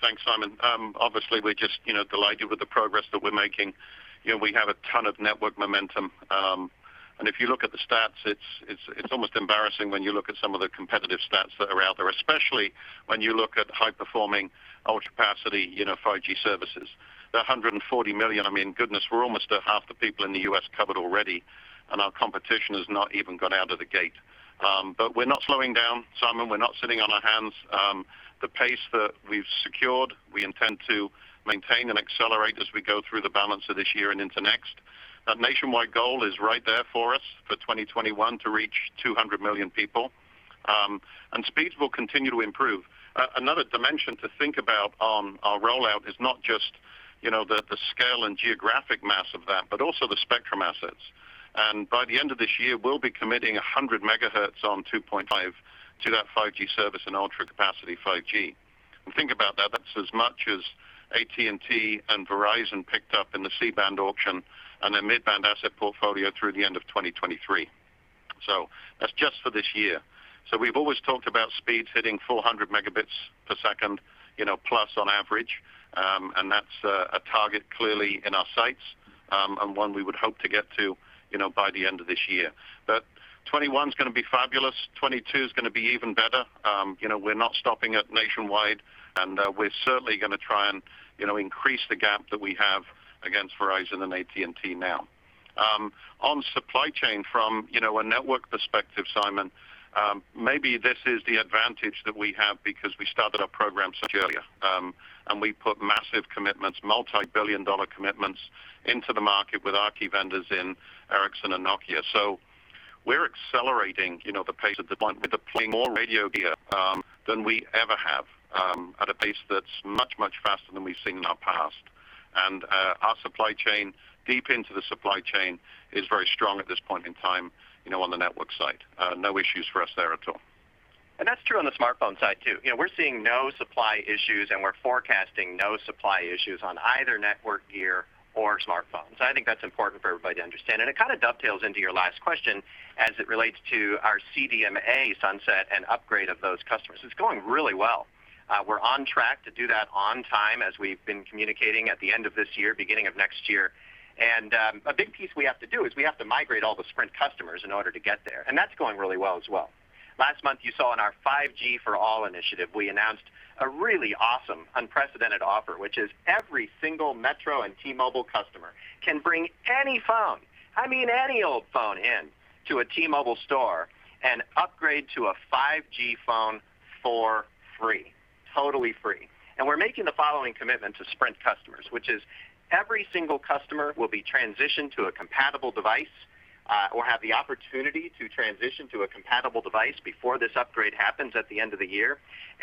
Thanks, Simon. Obviously, we're just delighted with the progress that we're making. If you look at the stats, it's almost embarrassing when you look at some of the competitive stats that are out there, especially when you look at high-performing Ultra Capacity 5G services. The 140 million, goodness, we're almost at half the people in the U.S. covered already. Our competition has not even got out of the gate. We're not slowing down, Simon. We're not sitting on our hands. The pace that we've secured, we intend to maintain and accelerate as we go through the balance of this year and into next. That nationwide goal is right there for us for 2021 to reach 200 million people. Speeds will continue to improve. Another dimension to think about on our rollout is not just the scale and geographic mass of that, but also the spectrum assets. By the end of this year, we'll be committing 100 MHz on 2.5 to that 5G service and Ultra Capacity 5G. Think about that's as much as AT&T and Verizon picked up in the C-band auction and their mid-band asset portfolio through the end of 2023. That's just for this year. We've always talked about speeds hitting 400 Mbps plus on average. That's a target clearly in our sights, and one we would hope to get to by the end of this year. 2021 is going to be fabulous. 2022 is going to be even better. We're not stopping at nationwide, and we're certainly going to try and increase the gap that we have against Verizon and AT&T now. On supply chain from a network perspective, Simon, maybe this is the advantage that we have because we started our program so much earlier. We put massive commitments, multi-billion dollar commitments into the market with our key vendors in Ericsson and Nokia. We're accelerating the pace at this point. We're deploying more radio gear than we ever have, at a pace that's much, much faster than we've seen in our past. Our supply chain, deep into the supply chain is very strong at this point in time on the network side. No issues for us there at all. That's true on the smartphone side, too. We're seeing no supply issues, and we're forecasting no supply issues on either network gear or smartphones. I think that's important for everybody to understand. It kind of dovetails into your last question as it relates to our CDMA sunset and upgrade of those customers. It's going really well. We're on track to do that on time, as we've been communicating at the end of this year, beginning of next year. A big piece we have to do is we have to migrate all the Sprint customers in order to get there. That's going really well as well. Last month you saw in our 5G for All initiative, we announced a really awesome unprecedented offer, which is every single Metro and T-Mobile customer can bring any phone, I mean, any old phone in to a T-Mobile store and upgrade to a 5G phone for free, totally free. We're making the following commitment to Sprint customers, which is every single customer will be transitioned to a compatible device, or have the opportunity to transition to a compatible device before this upgrade happens at the end of the year.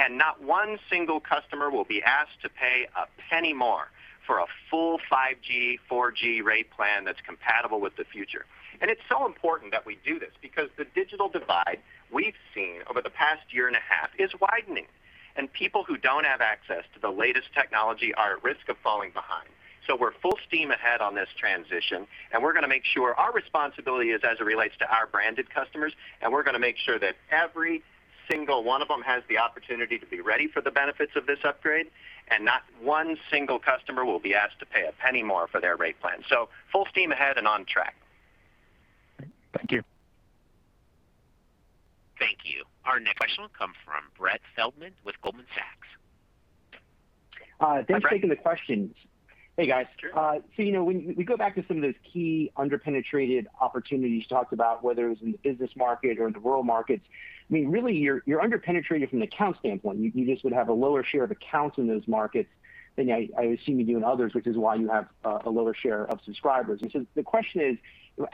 Not one single customer will be asked to pay a penny more for a full 5G/4G rate plan that's compatible with the future. It's so important that we do this because the digital divide we've seen over the past year and a half is widening, and people who don't have access to the latest technology are at risk of falling behind. We're full steam ahead on this transition, and we're going to make sure our responsibility is as it relates to our branded customers, and we're going to make sure that every single one of them has the opportunity to be ready for the benefits of this upgrade. Not one single customer will be asked to pay $0.01 more for their rate plan. Full steam ahead and on track. Thank you. Thank you. Our next question will come from Brett Feldman with Goldman Sachs. Hi, Brett. Thanks for taking the questions. Hey, guys. Sure. When we go back to some of those key under-penetrated opportunities you talked about, whether it was in the business market or in the rural markets, I mean, really, you're under-penetrated from an account standpoint. You just would have a lower share of accounts in those markets than I assume you do in others, which is why you have a lower share of subscribers. The question is,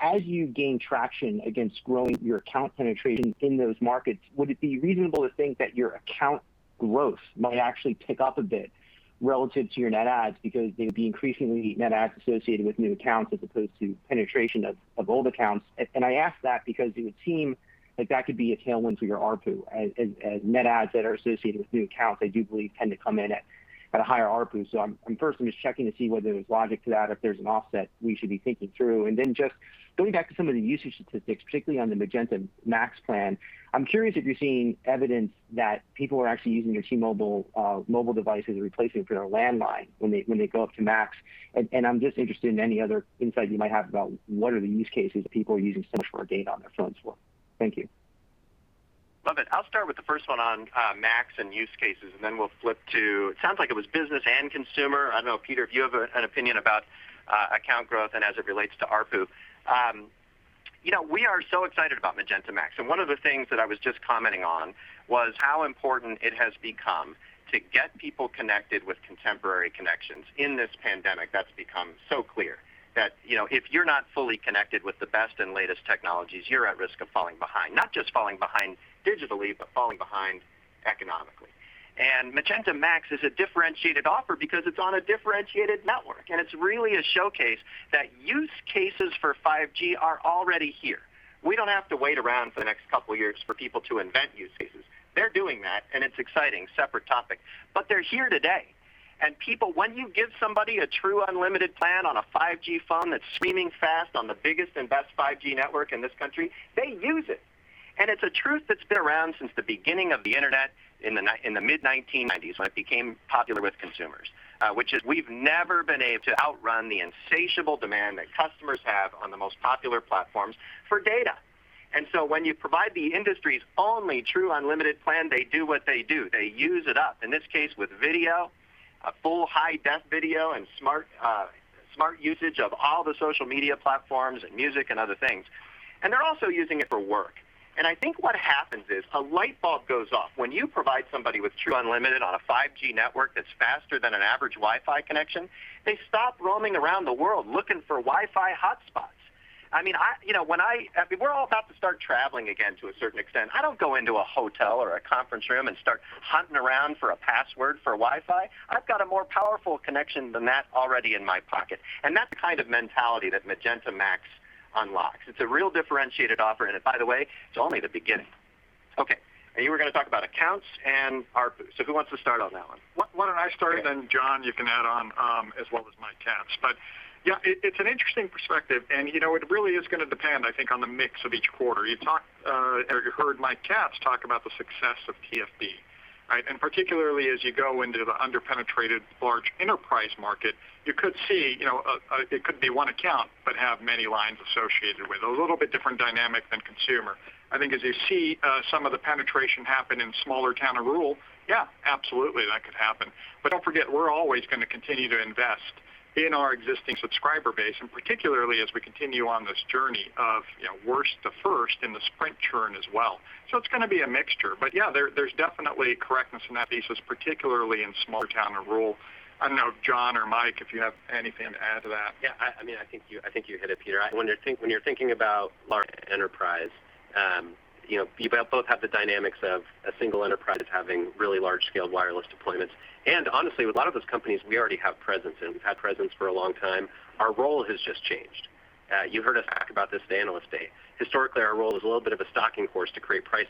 as you gain traction against growing your account penetration in those markets, would it be reasonable to think that your account growth might actually pick up a bit relative to your net adds because there would be increasingly net adds associated with new accounts as opposed to penetration of old accounts? I ask that because it would seem like that could be a tailwind for your ARPU, as net adds that are associated with new accounts, I do believe tend to come in at a higher ARPU. First I'm just checking to see whether there's logic to that or if there's an offset we should be thinking through. Then just going back to some of the usage statistics, particularly on the Magenta MAX plan, I'm curious if you're seeing evidence that people are actually using their T-Mobile mobile device as a replacement for their landline when they go up to MAX. I'm just interested in any other insight you might have about what are the use cases people are using so much more data on their phones for. Thank you. Love it. I'll start with the first one on MAX and use cases. It sounds like it was business and consumer. I don't know, Peter, if you have an opinion about account growth and as it relates to ARPU. We are so excited about Magenta MAX. One of the things that I was just commenting on was how important it has become to get people connected with contemporary connections. In this pandemic, that's become so clear that if you're not fully connected with the best and latest technologies, you're at risk of falling behind. Not just falling behind digitally, but falling behind economically. Magenta MAX is a differentiated offer because it's on a differentiated network, and it's really a showcase that use cases for 5G are already here. We don't have to wait around for the next couple of years for people to invent use cases. They're doing that, and it's exciting. Separate topic. They're here today. People, when you give somebody a true unlimited plan on a 5G phone that's screaming fast on the biggest and best 5G network in this country, they use it. It's a truth that's been around since the beginning of the internet in the mid 1990s, when it became popular with consumers, which is we've never been able to outrun the insatiable demand that customers have on the most popular platforms for data. When you provide the industry's only true unlimited plan, they do what they do. They use it up, in this case with video, full high-def video and smart usage of all the social media platforms and music and other things. They're also using it for work. I think what happens is a light bulb goes off. When you provide somebody with true unlimited on a 5G network that's faster than an average Wi-Fi connection, they stop roaming around the world looking for Wi-Fi hotspots. I mean, we're all about to start traveling again to a certain extent. I don't go into a hotel or a conference room and start hunting around for a password for Wi-Fi. I've got a more powerful connection than that already in my pocket, and that's the kind of mentality that Magenta MAX unlocks. It's a real differentiated offer. By the way, it's only the beginning. Okay. You were going to talk about accounts and ARPU. Who wants to start on that one? Why don't I start and then Jon, you can add on as well as Mike Katz. Yeah, it's an interesting perspective and it really is going to depend, I think, on the mix of each quarter. You heard Mike Katz talk about the success of TFB, right? Particularly as you go into the under-penetrated large enterprise market, you could see, it could be one account, but have many lines associated with. A little bit different dynamic than consumer. I think as you see some of the penetration happen in smaller town or rural, yeah, absolutely, that could happen. Don't forget, we're always going to continue to invest in our existing subscriber base, and particularly as we continue on this journey of worst to first in the Sprint churn as well. It's going to be a mixture. Yeah, there's definitely correctness in that thesis, particularly in smaller town or rural. I don't know, John or Mike, if you have anything to add to that? Yeah. I think you hit it, Peter. When you're thinking about large enterprise, you both have the dynamics of a single enterprise having really large-scale wireless deployments. Honestly, with a lot of those companies, we already have presence in. We've had presence for a long time. Our role has just changed. You heard us talk about this at the Analyst Day. Historically, our role was a little bit of a stalking horse to create price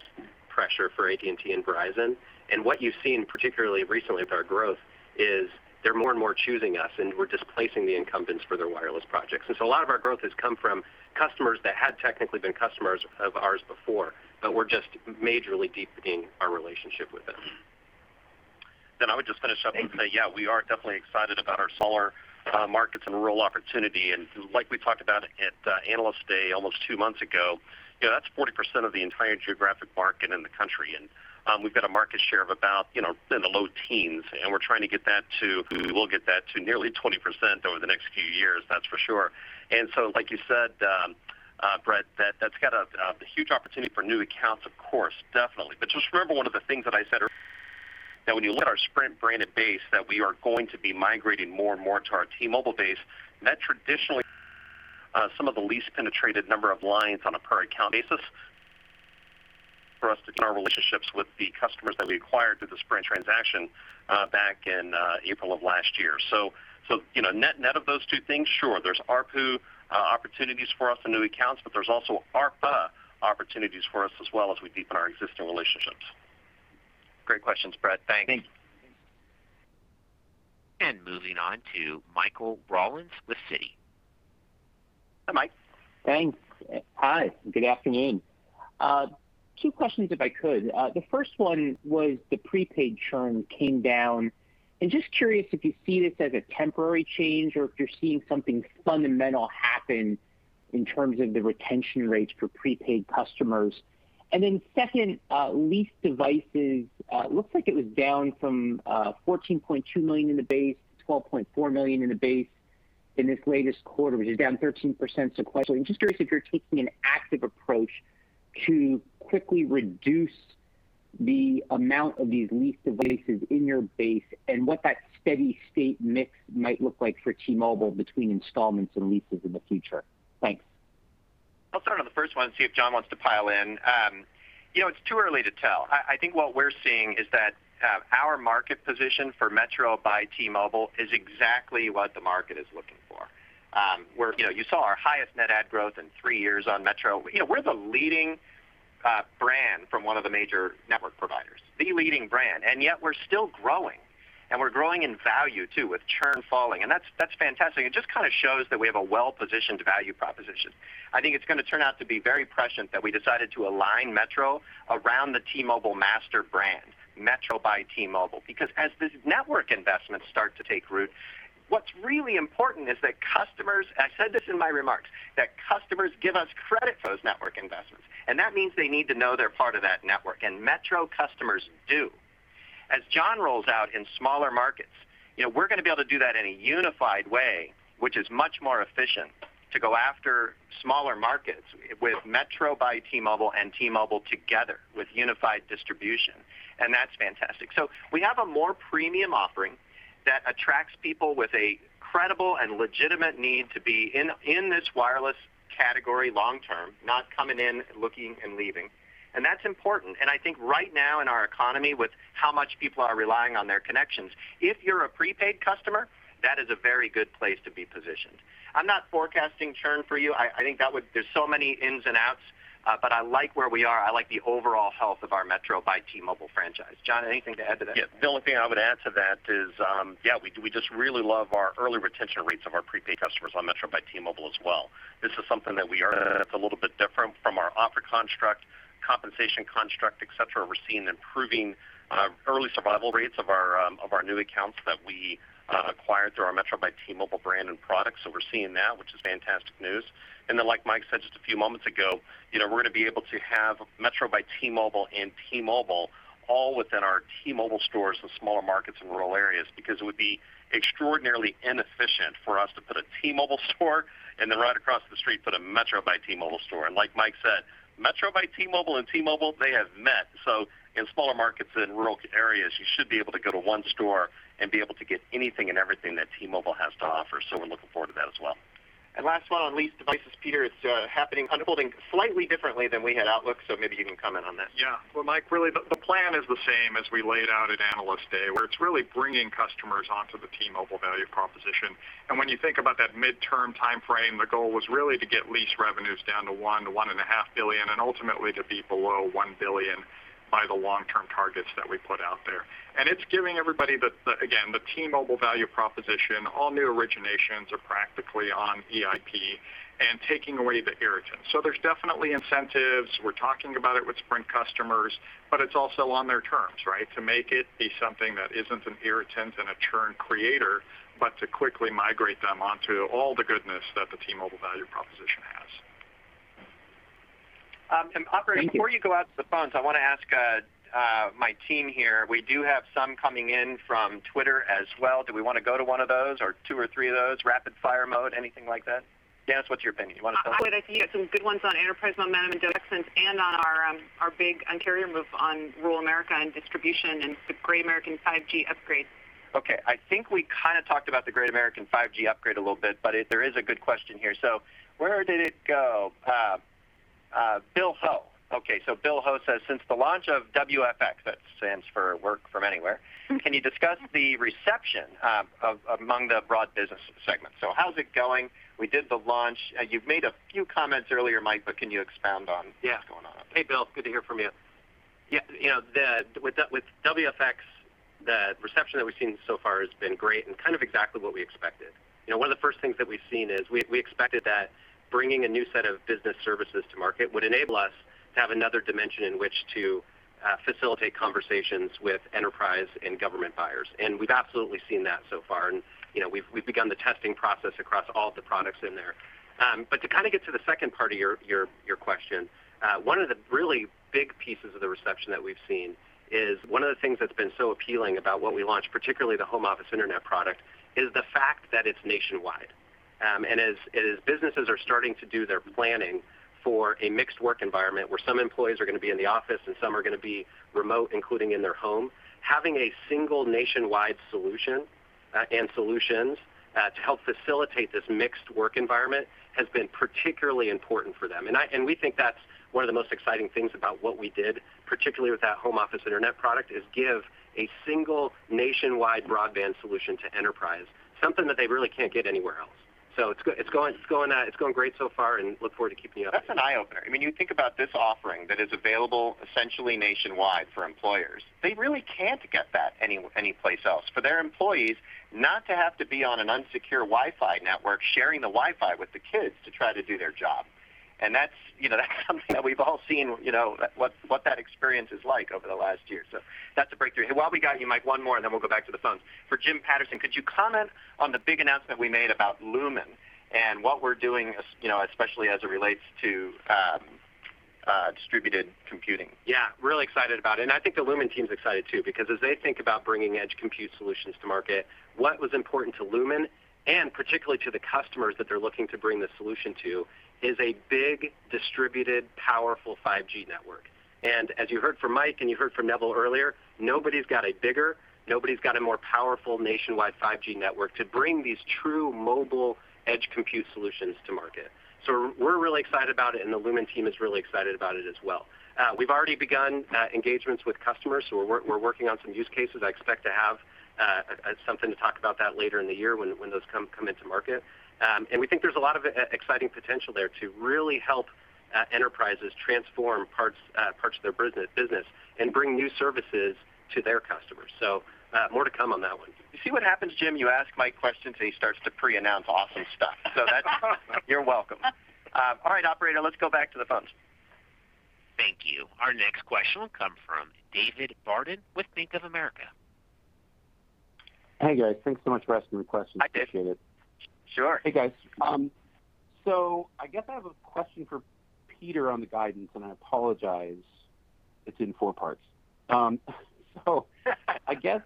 pressure for AT&T and Verizon. What you've seen, particularly recently with our growth, is they're more and more choosing us, and we're displacing the incumbents for their wireless projects. A lot of our growth has come from customers that had technically been customers of ours before, but we're just majorly deepening our relationship with them. I would just finish up and say, yeah, we are definitely excited about our smaller markets and rural opportunity. Like we talked about at Analyst Day almost two months ago, that's 40% of the entire geographic market in the country. We've got a market share of about in the low teens, and we will get that to nearly 20% over the next few years, that's for sure. So like you said, Brett, that's got a huge opportunity for new accounts, of course, definitely. Just remember one of the things that I said earlier, that when you look at our Sprint-branded base, that we are going to be migrating more and more to our T-Mobile base. That traditionally some of the least penetrated number of lines on a per account basis for us to gain our relationships with the customers that we acquired through the Sprint transaction back in April of last year. Net of those two things, sure, there's ARPU opportunities for us in new accounts, but there's also ARPA opportunities for us as well as we deepen our existing relationships. Great questions, Brett. Thanks. Thank you. Moving on to Michael Rollins with Citi. Hi, Mike. Thanks. Hi, good afternoon. Two questions, if I could. The first one was the prepaid churn came down. Just curious if you see this as a temporary change or if you're seeing something fundamental happen in terms of the retention rates for prepaid customers. Second, leased devices, looks like it was down from 14.2 million in the base to 12.4 million in the base in this latest quarter, which is down 13% sequentially. I'm just curious if you're taking an active approach to quickly reduce the amount of these leased devices in your base and what that steady state mix might look like for T-Mobile between installments and leases in the future. Thanks. I'll start on the first one, see if John wants to pile in. It's too early to tell. I think what we're seeing is that our market position for Metro by T-Mobile is exactly what the market is looking for, where you saw our highest net add growth in three years on Metro. We're the leading brand from one of the major network providers, the leading brand, and yet we're still growing. We're growing in value, too, with churn falling, and that's fantastic. It just kind of shows that we have a well-positioned value proposition. I think it's going to turn out to be very prescient that we decided to align Metro around the T-Mobile master brand, Metro by T-Mobile. As the network investments start to take root, what's really important is that customers, I said this in my remarks, that customers give us credit for those network investments. That means they need to know they're part of that network, and Metro customers do. As Jon rolls out in smaller markets, we're going to be able to do that in a unified way, which is much more efficient to go after smaller markets with Metro by T-Mobile and T-Mobile together with unified distribution. That's fantastic. We have a more premium offering that attracts people with a credible and legitimate need to be in this wireless category long term, not coming in, looking, and leaving. That's important. I think right now in our economy, with how much people are relying on their connections, if you're a prepaid customer, that is a very good place to be positioned. I'm not forecasting churn for you. I think there's so many ins and outs, but I like where we are. I like the overall health of our Metro by T-Mobile franchise. Jon, anything to add to that? The only thing I would add to that is, yeah, we just really love our early retention rates of our prepaid customers on Metro by T-Mobile as well. It's a little bit different from our offer construct, compensation construct, et cetera. We're seeing improving early survival rates of our new accounts that we acquired through our Metro by T-Mobile brand and products. We're seeing that, which is fantastic news. Like Mike said just a few moments ago, we're going to be able to have Metro by T-Mobile and T-Mobile all within our T-Mobile stores in smaller markets and rural areas, because it would be extraordinarily inefficient for us to put a T-Mobile store and then right across the street, put a Metro by T-Mobile store. Like Mike said, Metro by T-Mobile and T-Mobile, they have met. In smaller markets, in rural areas, you should be able to go to one store and be able to get anything and everything that T-Mobile has to offer. We're looking forward to that as well. Last one on leased devices, Peter. It's unfolding slightly differently than we had outlook, so maybe you can comment on this. Yeah. Well, Mike, really, the plan is the same as we laid out at Analyst Day, where it's really bringing customers onto the T-Mobile value proposition. When you think about that midterm timeframe, the goal was really to get lease revenues down to $1 billion-$1.5 billion, and ultimately to be below $1 billion by the long-term targets that we put out there. It's giving everybody, again, the T-Mobile value proposition. All new originations are practically on EIP and taking away the irritant. There's definitely incentives. We're talking about it with Sprint customers, but it's also on their terms, right? To make it be something that isn't an irritant and a churn creator, but to quickly migrate them onto all the goodness that the T-Mobile value proposition has. Operator, before you go out to the phones, I want to ask my team here. We do have some coming in from Twitter as well. Do we want to go to one of those or two or three of those, rapid fire mode, anything like that? Janice, what's your opinion? You want to tell me? I would. I think you got some good ones on enterprise momentum and on our big Un-carrier move on rural America and distribution and the Great American 5G Upgrade. Okay. I think we kind of talked about the great American 5G upgrade a little bit, but there is a good question here. Where did it go? Bill Ho. Bill Ho says, "Since the launch of WFX," that stands for Work From Anywhere, "can you discuss the reception among the broad business segments?" How's it going? We did the launch. You've made a few comments earlier, Mike, can you expound? Yeah. What's going on? Hey, Bill. Good to hear from you. Yeah, with WFX, the reception that we've seen so far has been great and kind of exactly what we expected. One of the first things that we've seen is we expected that bringing a new set of business services to market would enable us to have another dimension in which to facilitate conversations with enterprise and government buyers. We've absolutely seen that so far, and we've begun the testing process across all of the products in there. To kind of get to the second part of your question, one of the really big pieces of the reception that we've seen is one of the things that's been so appealing about what we launched, particularly the home office internet product, is the fact that it's nationwide. As businesses are starting to do their planning for a mixed work environment where some employees are going to be in the office and some are going to be remote, including in their home, having a single nationwide solution, and solutions, to help facilitate this mixed work environment has been particularly important for them. We think that's one of the most exciting things about what we did, particularly with that home office internet product, is give a single nationwide broadband solution to enterprise, something that they really can't get anywhere else. It's going great so far and look forward to keeping you updated. That's an eye-opener. I mean, you think about this offering that is available essentially nationwide for employers. They really can't get that anyplace else. For their employees not to have to be on an unsecure Wi-Fi network, sharing the Wi-Fi with the kids to try to do their job. That's something that we've all seen, what that experience is like over the last year. That's a breakthrough. While we got you, Mike, one more, and then we'll go back to the phones. For James Patterson, could you comment on the big announcement we made about Lumen and what we're doing, especially as it relates to distributed computing? Yeah. Really excited about it, I think the Lumen team's excited, too, because as they think about bringing edge compute solutions to market, what was important to Lumen, and particularly to the customers that they're looking to bring the solution to, is a big, distributed, powerful 5G network. As you heard from Mike and you heard from Neville earlier, nobody's got a bigger, nobody's got a more powerful nationwide 5G network to bring these true mobile edge compute solutions to market. We're really excited about it, and the Lumen team is really excited about it as well. We've already begun engagements with customers, we're working on some use cases. I expect to have something to talk about that later in the year when those come into market. We think there's a lot of exciting potential there to really help enterprises transform parts of their business and bring new services to their customers. More to come on that one. You see what happens, Jim? You ask Mike questions, he starts to pre-announce awesome stuff. You're welcome. All right, Operator, let's go back to the phones. Thank you. Our next question will come from David Barden with Bank of America. Hey, guys. Thanks so much for asking the question. Hi, David. Appreciate it. Sure. Hey, guys. I guess I have a question for Peter on the guidance, and I apologize, it's in four parts. I guess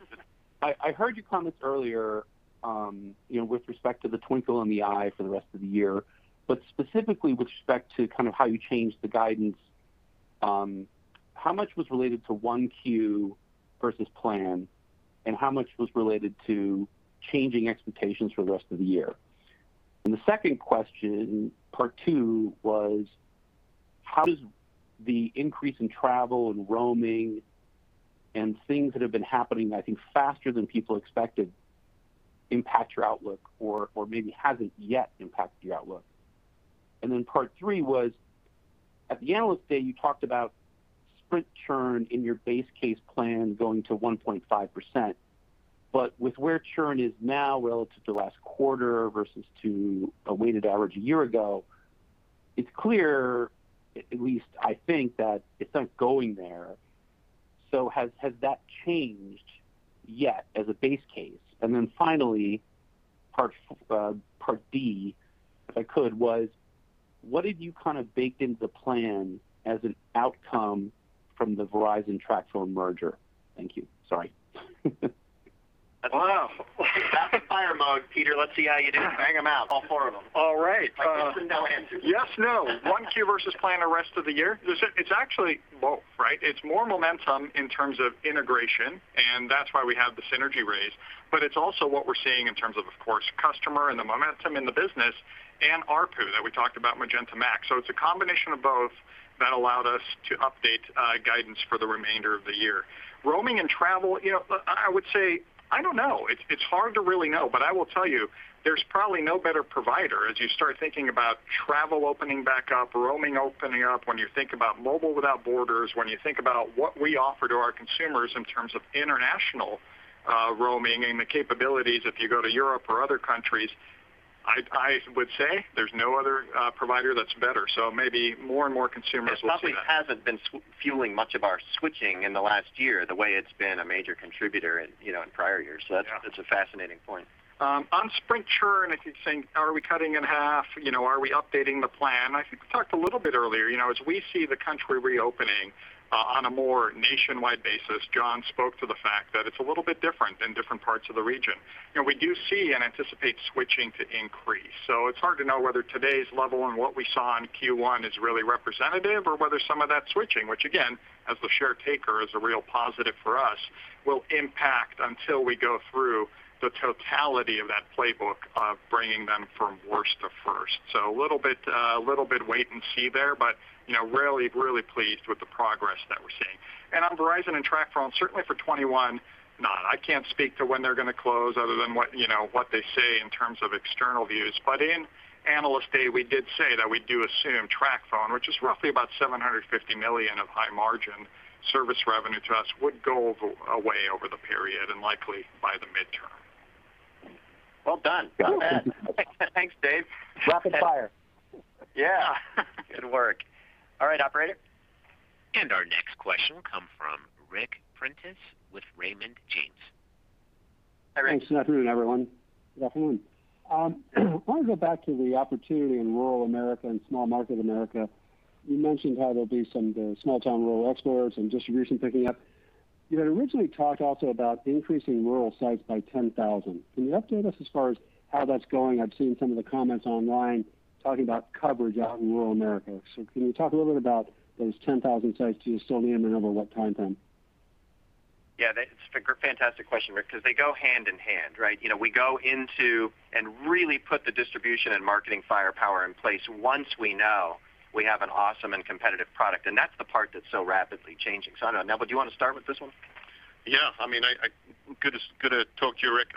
I heard your comments earlier with respect to the twinkle in the eye for the rest of the year, but specifically with respect to kind of how you changed the guidance, how much was related to 1Q versus plan, and how much was related to changing expectations for the rest of the year? The second question, part two, was how does the increase in travel and roaming and things that have been happening, I think, faster than people expected, impact your outlook, or maybe hasn't yet impacted your outlook? Part three was, at the Analyst Day, you talked about Sprint churn in your base case plan going to 1.5%, but with where churn is now relative to last quarter versus to a weighted average a year ago, it's clear, at least I think, that it's not going there. Has that changed yet as a base case? Finally, part D, if I could, was what did you kind of bake into plan as an outcome from the Verizon TracFone merger? Thank you. Sorry. Wow. Rapid fire mode, Peter. Let's see how you do. Bang them out. All four of them. All right. Yes and no answer. Yes, no. 1Q versus plan the rest of the year? It's actually both, right? It's more momentum in terms of integration. That's why we have the synergy raise. It's also what we're seeing in terms, of course, customer and the momentum in the business and ARPU that we talked about Magenta MAX. It's a combination of both that allowed us to update guidance for the remainder of the year. Roaming and travel, I would say, I don't know. It's hard to really know. I will tell you, there's probably no better provider as you start thinking about travel opening back up, roaming opening up, when you think about Mobile Without Borders, when you think about what we offer to our consumers in terms of international roaming and the capabilities if you go to Europe or other countries, I would say there's no other provider that's better. Maybe more and more consumers will see that. It probably hasn't been fueling much of our switching in the last year the way it's been a major contributor in prior years. Yeah. That's a fascinating point. On Sprint churn, I keep saying, are we cutting in half? Are we updating the plan? I think we talked a little bit earlier, as we see the country reopening on a more nationwide basis, Jon spoke to the fact that it's a little bit different in different parts of the region. We do see and anticipate switching to increase. It's hard to know whether today's level and what we saw in Q1 is really representative or whether some of that switching, which again, as the share taker, is a real positive for us, will impact until we go through the totality of that playbook of bringing them from worst to first. A little bit wait and see there, really, really pleased with the progress that we're seeing. On Verizon and TracFone, certainly for 2021, not. I can't speak to when they're going to close other than what they say in terms of external views. In Analyst Day, we did say that we do assume TracFone, which is roughly about $750 million of high margin service revenue to us, would go away over the period and likely by the midterm. Well done. Love that. Thanks, Dave. Rapid fire. Yeah. Good work. All right, operator. Our next question come from Ric Prentiss with Raymond James. Hi, Ric. Thanks. Good afternoon, everyone. Good afternoon. I want to go back to the opportunity in rural America and small market America. You mentioned how there'll be some small town rural upstores and distribution picking up. You had originally talked also about increasing rural sites by 10,000. Can you update us as far as how that's going? I've seen some of the comments online talking about coverage out in rural America. Can you talk a little bit about those 10,000 sites? Do you still need them, and over what timeframe? Yeah. That's a fantastic question, Ric, because they go hand in hand, right? We go into and really put the distribution and marketing firepower in place once we know we have an awesome and competitive product, and that's the part that's so rapidly changing. I don't know, Neville, do you want to start with this one? Yeah. Good to talk to you, Ric.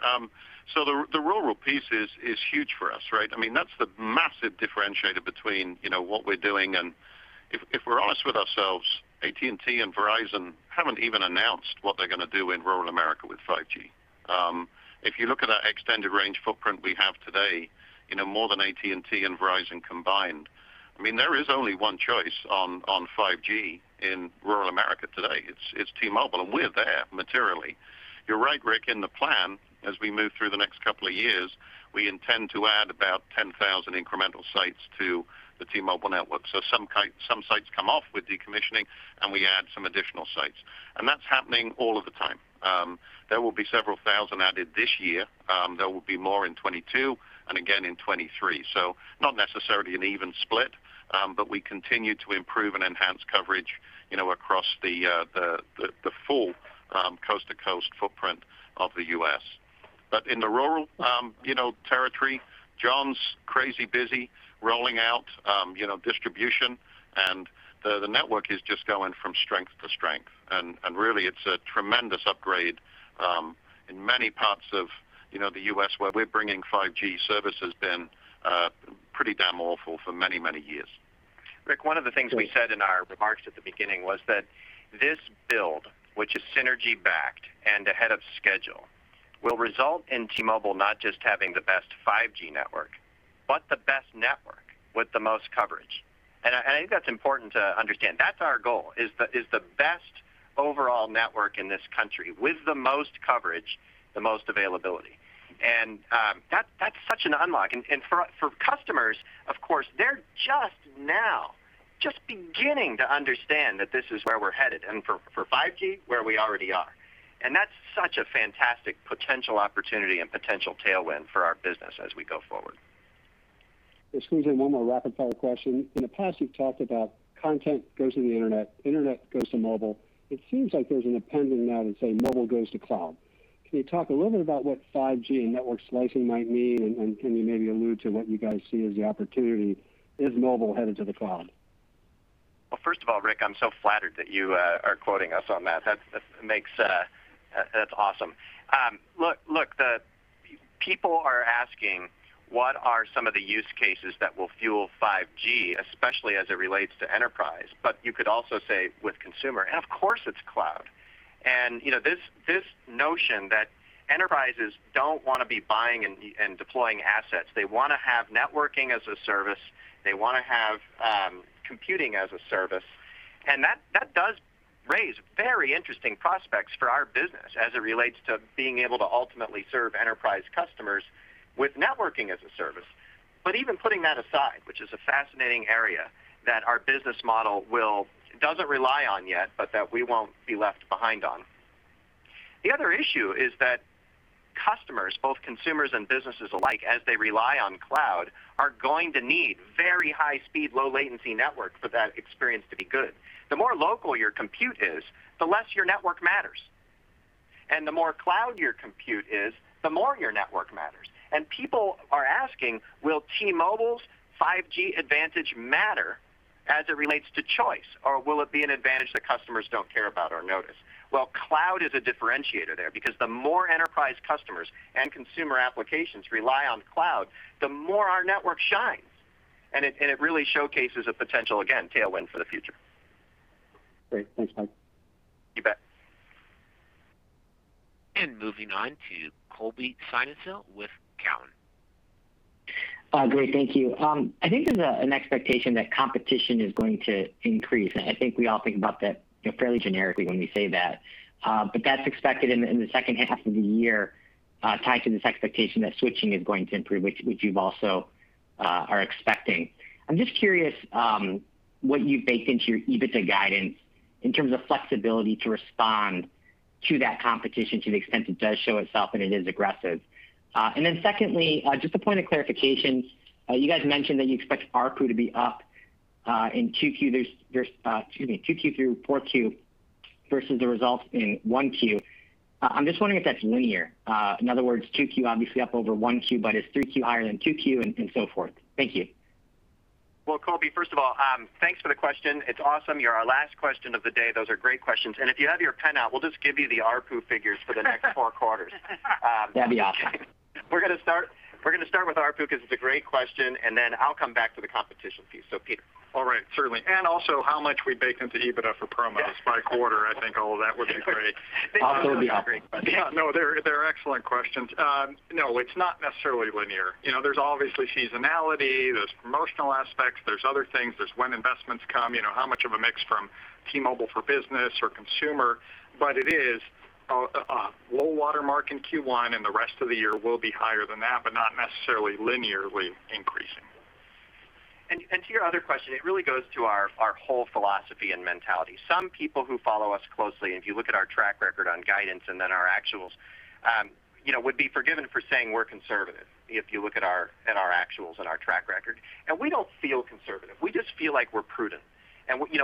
The rural piece is huge for us, right? That's the massive differentiator between what we're doing and, if we're honest with ourselves, AT&T and Verizon haven't even announced what they're going to do in rural America with 5G. If you look at our Extended Range footprint we have today, more than AT&T and Verizon combined. There is only one choice on 5G in rural America today. It's T-Mobile, and we're there materially. You're right, Ric. In the plan, as we move through the next couple of years, we intend to add about 10,000 incremental sites to the T-Mobile network. Some sites come off with decommissioning, and we add some additional sites, and that's happening all of the time. There will be several thousand added this year. There will be more in 2022 and again in 2023. Not necessarily an even split, but we continue to improve and enhance coverage across the full coast-to-coast footprint of the U.S. In the rural territory, Jon's crazy busy rolling out distribution, and the network is just going from strength to strength. Really, it's a tremendous upgrade in many parts of the U.S. where we're bringing 5G service has been pretty damn awful for many, many years. Ric, one of the things we said in our remarks at the beginning was that this build, which is synergy-backed and ahead of schedule, will result in T-Mobile not just having the best 5G network, but the best network with the most coverage. I think that's important to understand. That's our goal, is the best overall network in this country with the most coverage, the most availability. That's such an unlock. For customers, of course, they're just now just beginning to understand that this is where we're headed, and for 5G, where we already are. That's such a fantastic potential opportunity and potential tailwind for our business as we go forward. Just squeeze in one more rapid-fire question. In the past, you've talked about content goes to the internet goes to mobile. It seems like there's an appendix now that say mobile goes to cloud. Can you talk a little bit about what 5G and network slicing might mean, and can you maybe allude to what you guys see as the opportunity? Is mobile headed to the cloud? First of all, Ric, I'm so flattered that you are quoting us on that. That's awesome. People are asking, what are some of the use cases that will fuel 5G, especially as it relates to enterprise, but you could also say with consumer, and of course, it's cloud. This notion that enterprises don't want to be buying and deploying assets. They want to have networking as a service. They want to have computing as a service. That does raise very interesting prospects for our business as it relates to being able to ultimately serve enterprise customers with networking as a service. Even putting that aside, which is a fascinating area that our business model doesn't rely on yet, but that we won't be left behind on. The other issue is that customers, both consumers and businesses alike, as they rely on cloud, are going to need very high speed, low latency network for that experience to be good. The more local your compute is, the less your network matters. The more cloud your compute is, the more your network matters. People are asking, will T-Mobile's 5G advantage matter as it relates to choice? Will it be an advantage that customers don't care about or notice? Well, cloud is a differentiator there because the more enterprise customers and consumer applications rely on cloud, the more our network shines. It really showcases a potential, again, tailwind for the future. Great. Thanks, Mike. You bet. Moving on to Colby Synesael with Cowen. Great. Thank you. I think there's an expectation that competition is going to increase, and I think we all think about that fairly generically when we say that. That's expected in the second half of the year, tied to this expectation that switching is going to improve, which you also are expecting. I'm just curious what you've baked into your EBITDA guidance in terms of flexibility to respond to that competition to the extent it does show itself and it is aggressive. Secondly, just a point of clarification. You guys mentioned that you expect ARPU to be up in 2Q through 4Q versus the results in 1Q. I'm just wondering if that's linear. In other words, 2Q obviously up over 1Q, but is 3Q higher than 2Q and so forth? Thank you. Well, Colby, first of all, thanks for the question. It's awesome. You're our last question of the day. Those are great questions. If you have your pen out, we'll just give you the ARPU figures for the next four quarters. That'd be awesome. We're going to start with ARPU because it's a great question, and then I'll come back to the competition piece. Peter. All right, certainly. Also how much we bake into EBITDA for promos by quarter. I think all of that would be great. Also would be awesome. Yeah, no. They're excellent questions. It's not necessarily linear. There's obviously seasonality, there's promotional aspects, there's other things. There's when investments come, how much of a mix from T-Mobile for Business or consumer. It is a low water mark in Q1, and the rest of the year will be higher than that, but not necessarily linearly increasing. To your other question, it really goes to our whole philosophy and mentality. Some people who follow us closely, if you look at our track record on guidance and then our actuals, would be forgiven for saying we're conservative if you look at our actuals and our track record. We don't feel conservative. We just feel like we're prudent.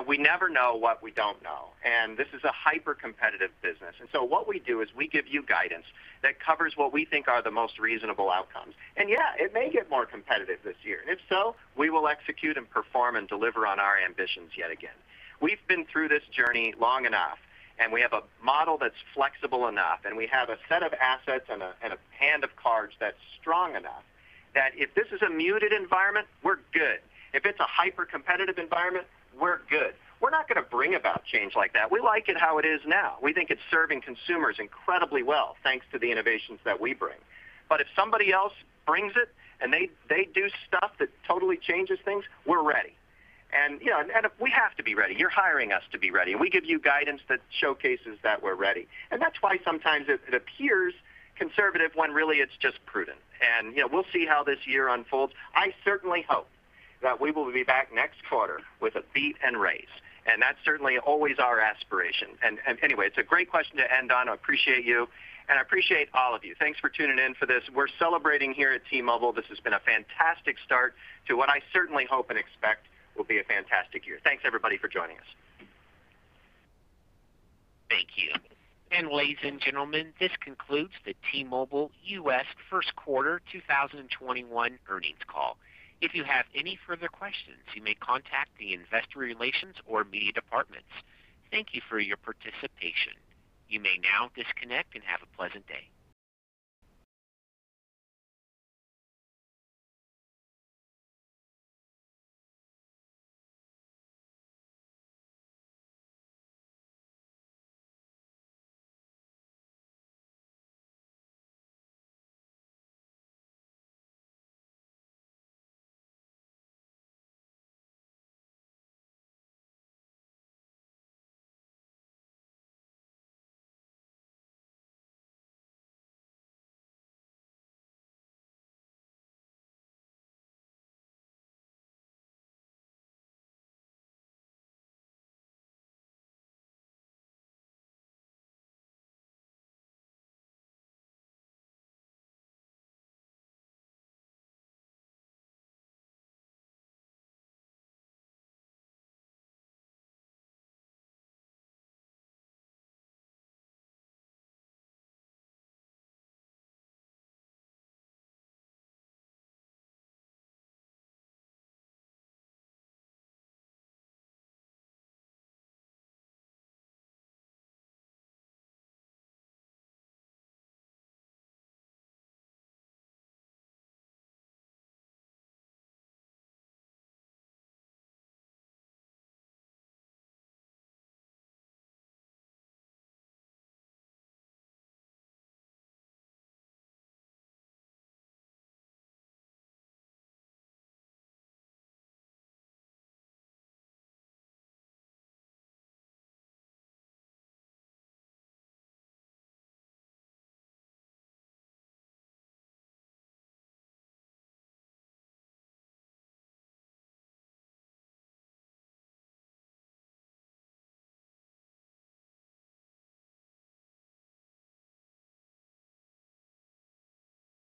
We never know what we don't know, and this is a hyper-competitive business. What we do is we give you guidance that covers what we think are the most reasonable outcomes. Yeah, it may get more competitive this year, and if so, we will execute and perform and deliver on our ambitions yet again. We've been through this journey long enough, we have a model that's flexible enough, we have a set of assets and a hand of cards that's strong enough that if this is a muted environment, we're good. If it's a hyper-competitive environment, we're good. We're not going to bring about change like that. We like it how it is now. We think it's serving consumers incredibly well thanks to the innovations that we bring. If somebody else brings it and they do stuff that totally changes things, we're ready. We have to be ready. You're hiring us to be ready, we give you guidance that showcases that we're ready. That's why sometimes it appears conservative when really it's just prudent. We'll see how this year unfolds. I certainly hope that we will be back next quarter with a beat and raise, and that's certainly always our aspiration. Anyway, it's a great question to end on. I appreciate you, and I appreciate all of you. Thanks for tuning in for this. We're celebrating here at T-Mobile. This has been a fantastic start to what I certainly hope and expect will be a fantastic year. Thanks, everybody, for joining us. Thank you. Ladies and gentlemen, this concludes the T-Mobile US first quarter 2021 earnings call. If you have any further questions, you may contact the investor relations or media departments. Thank you for your participation. You may now disconnect and have a pleasant day.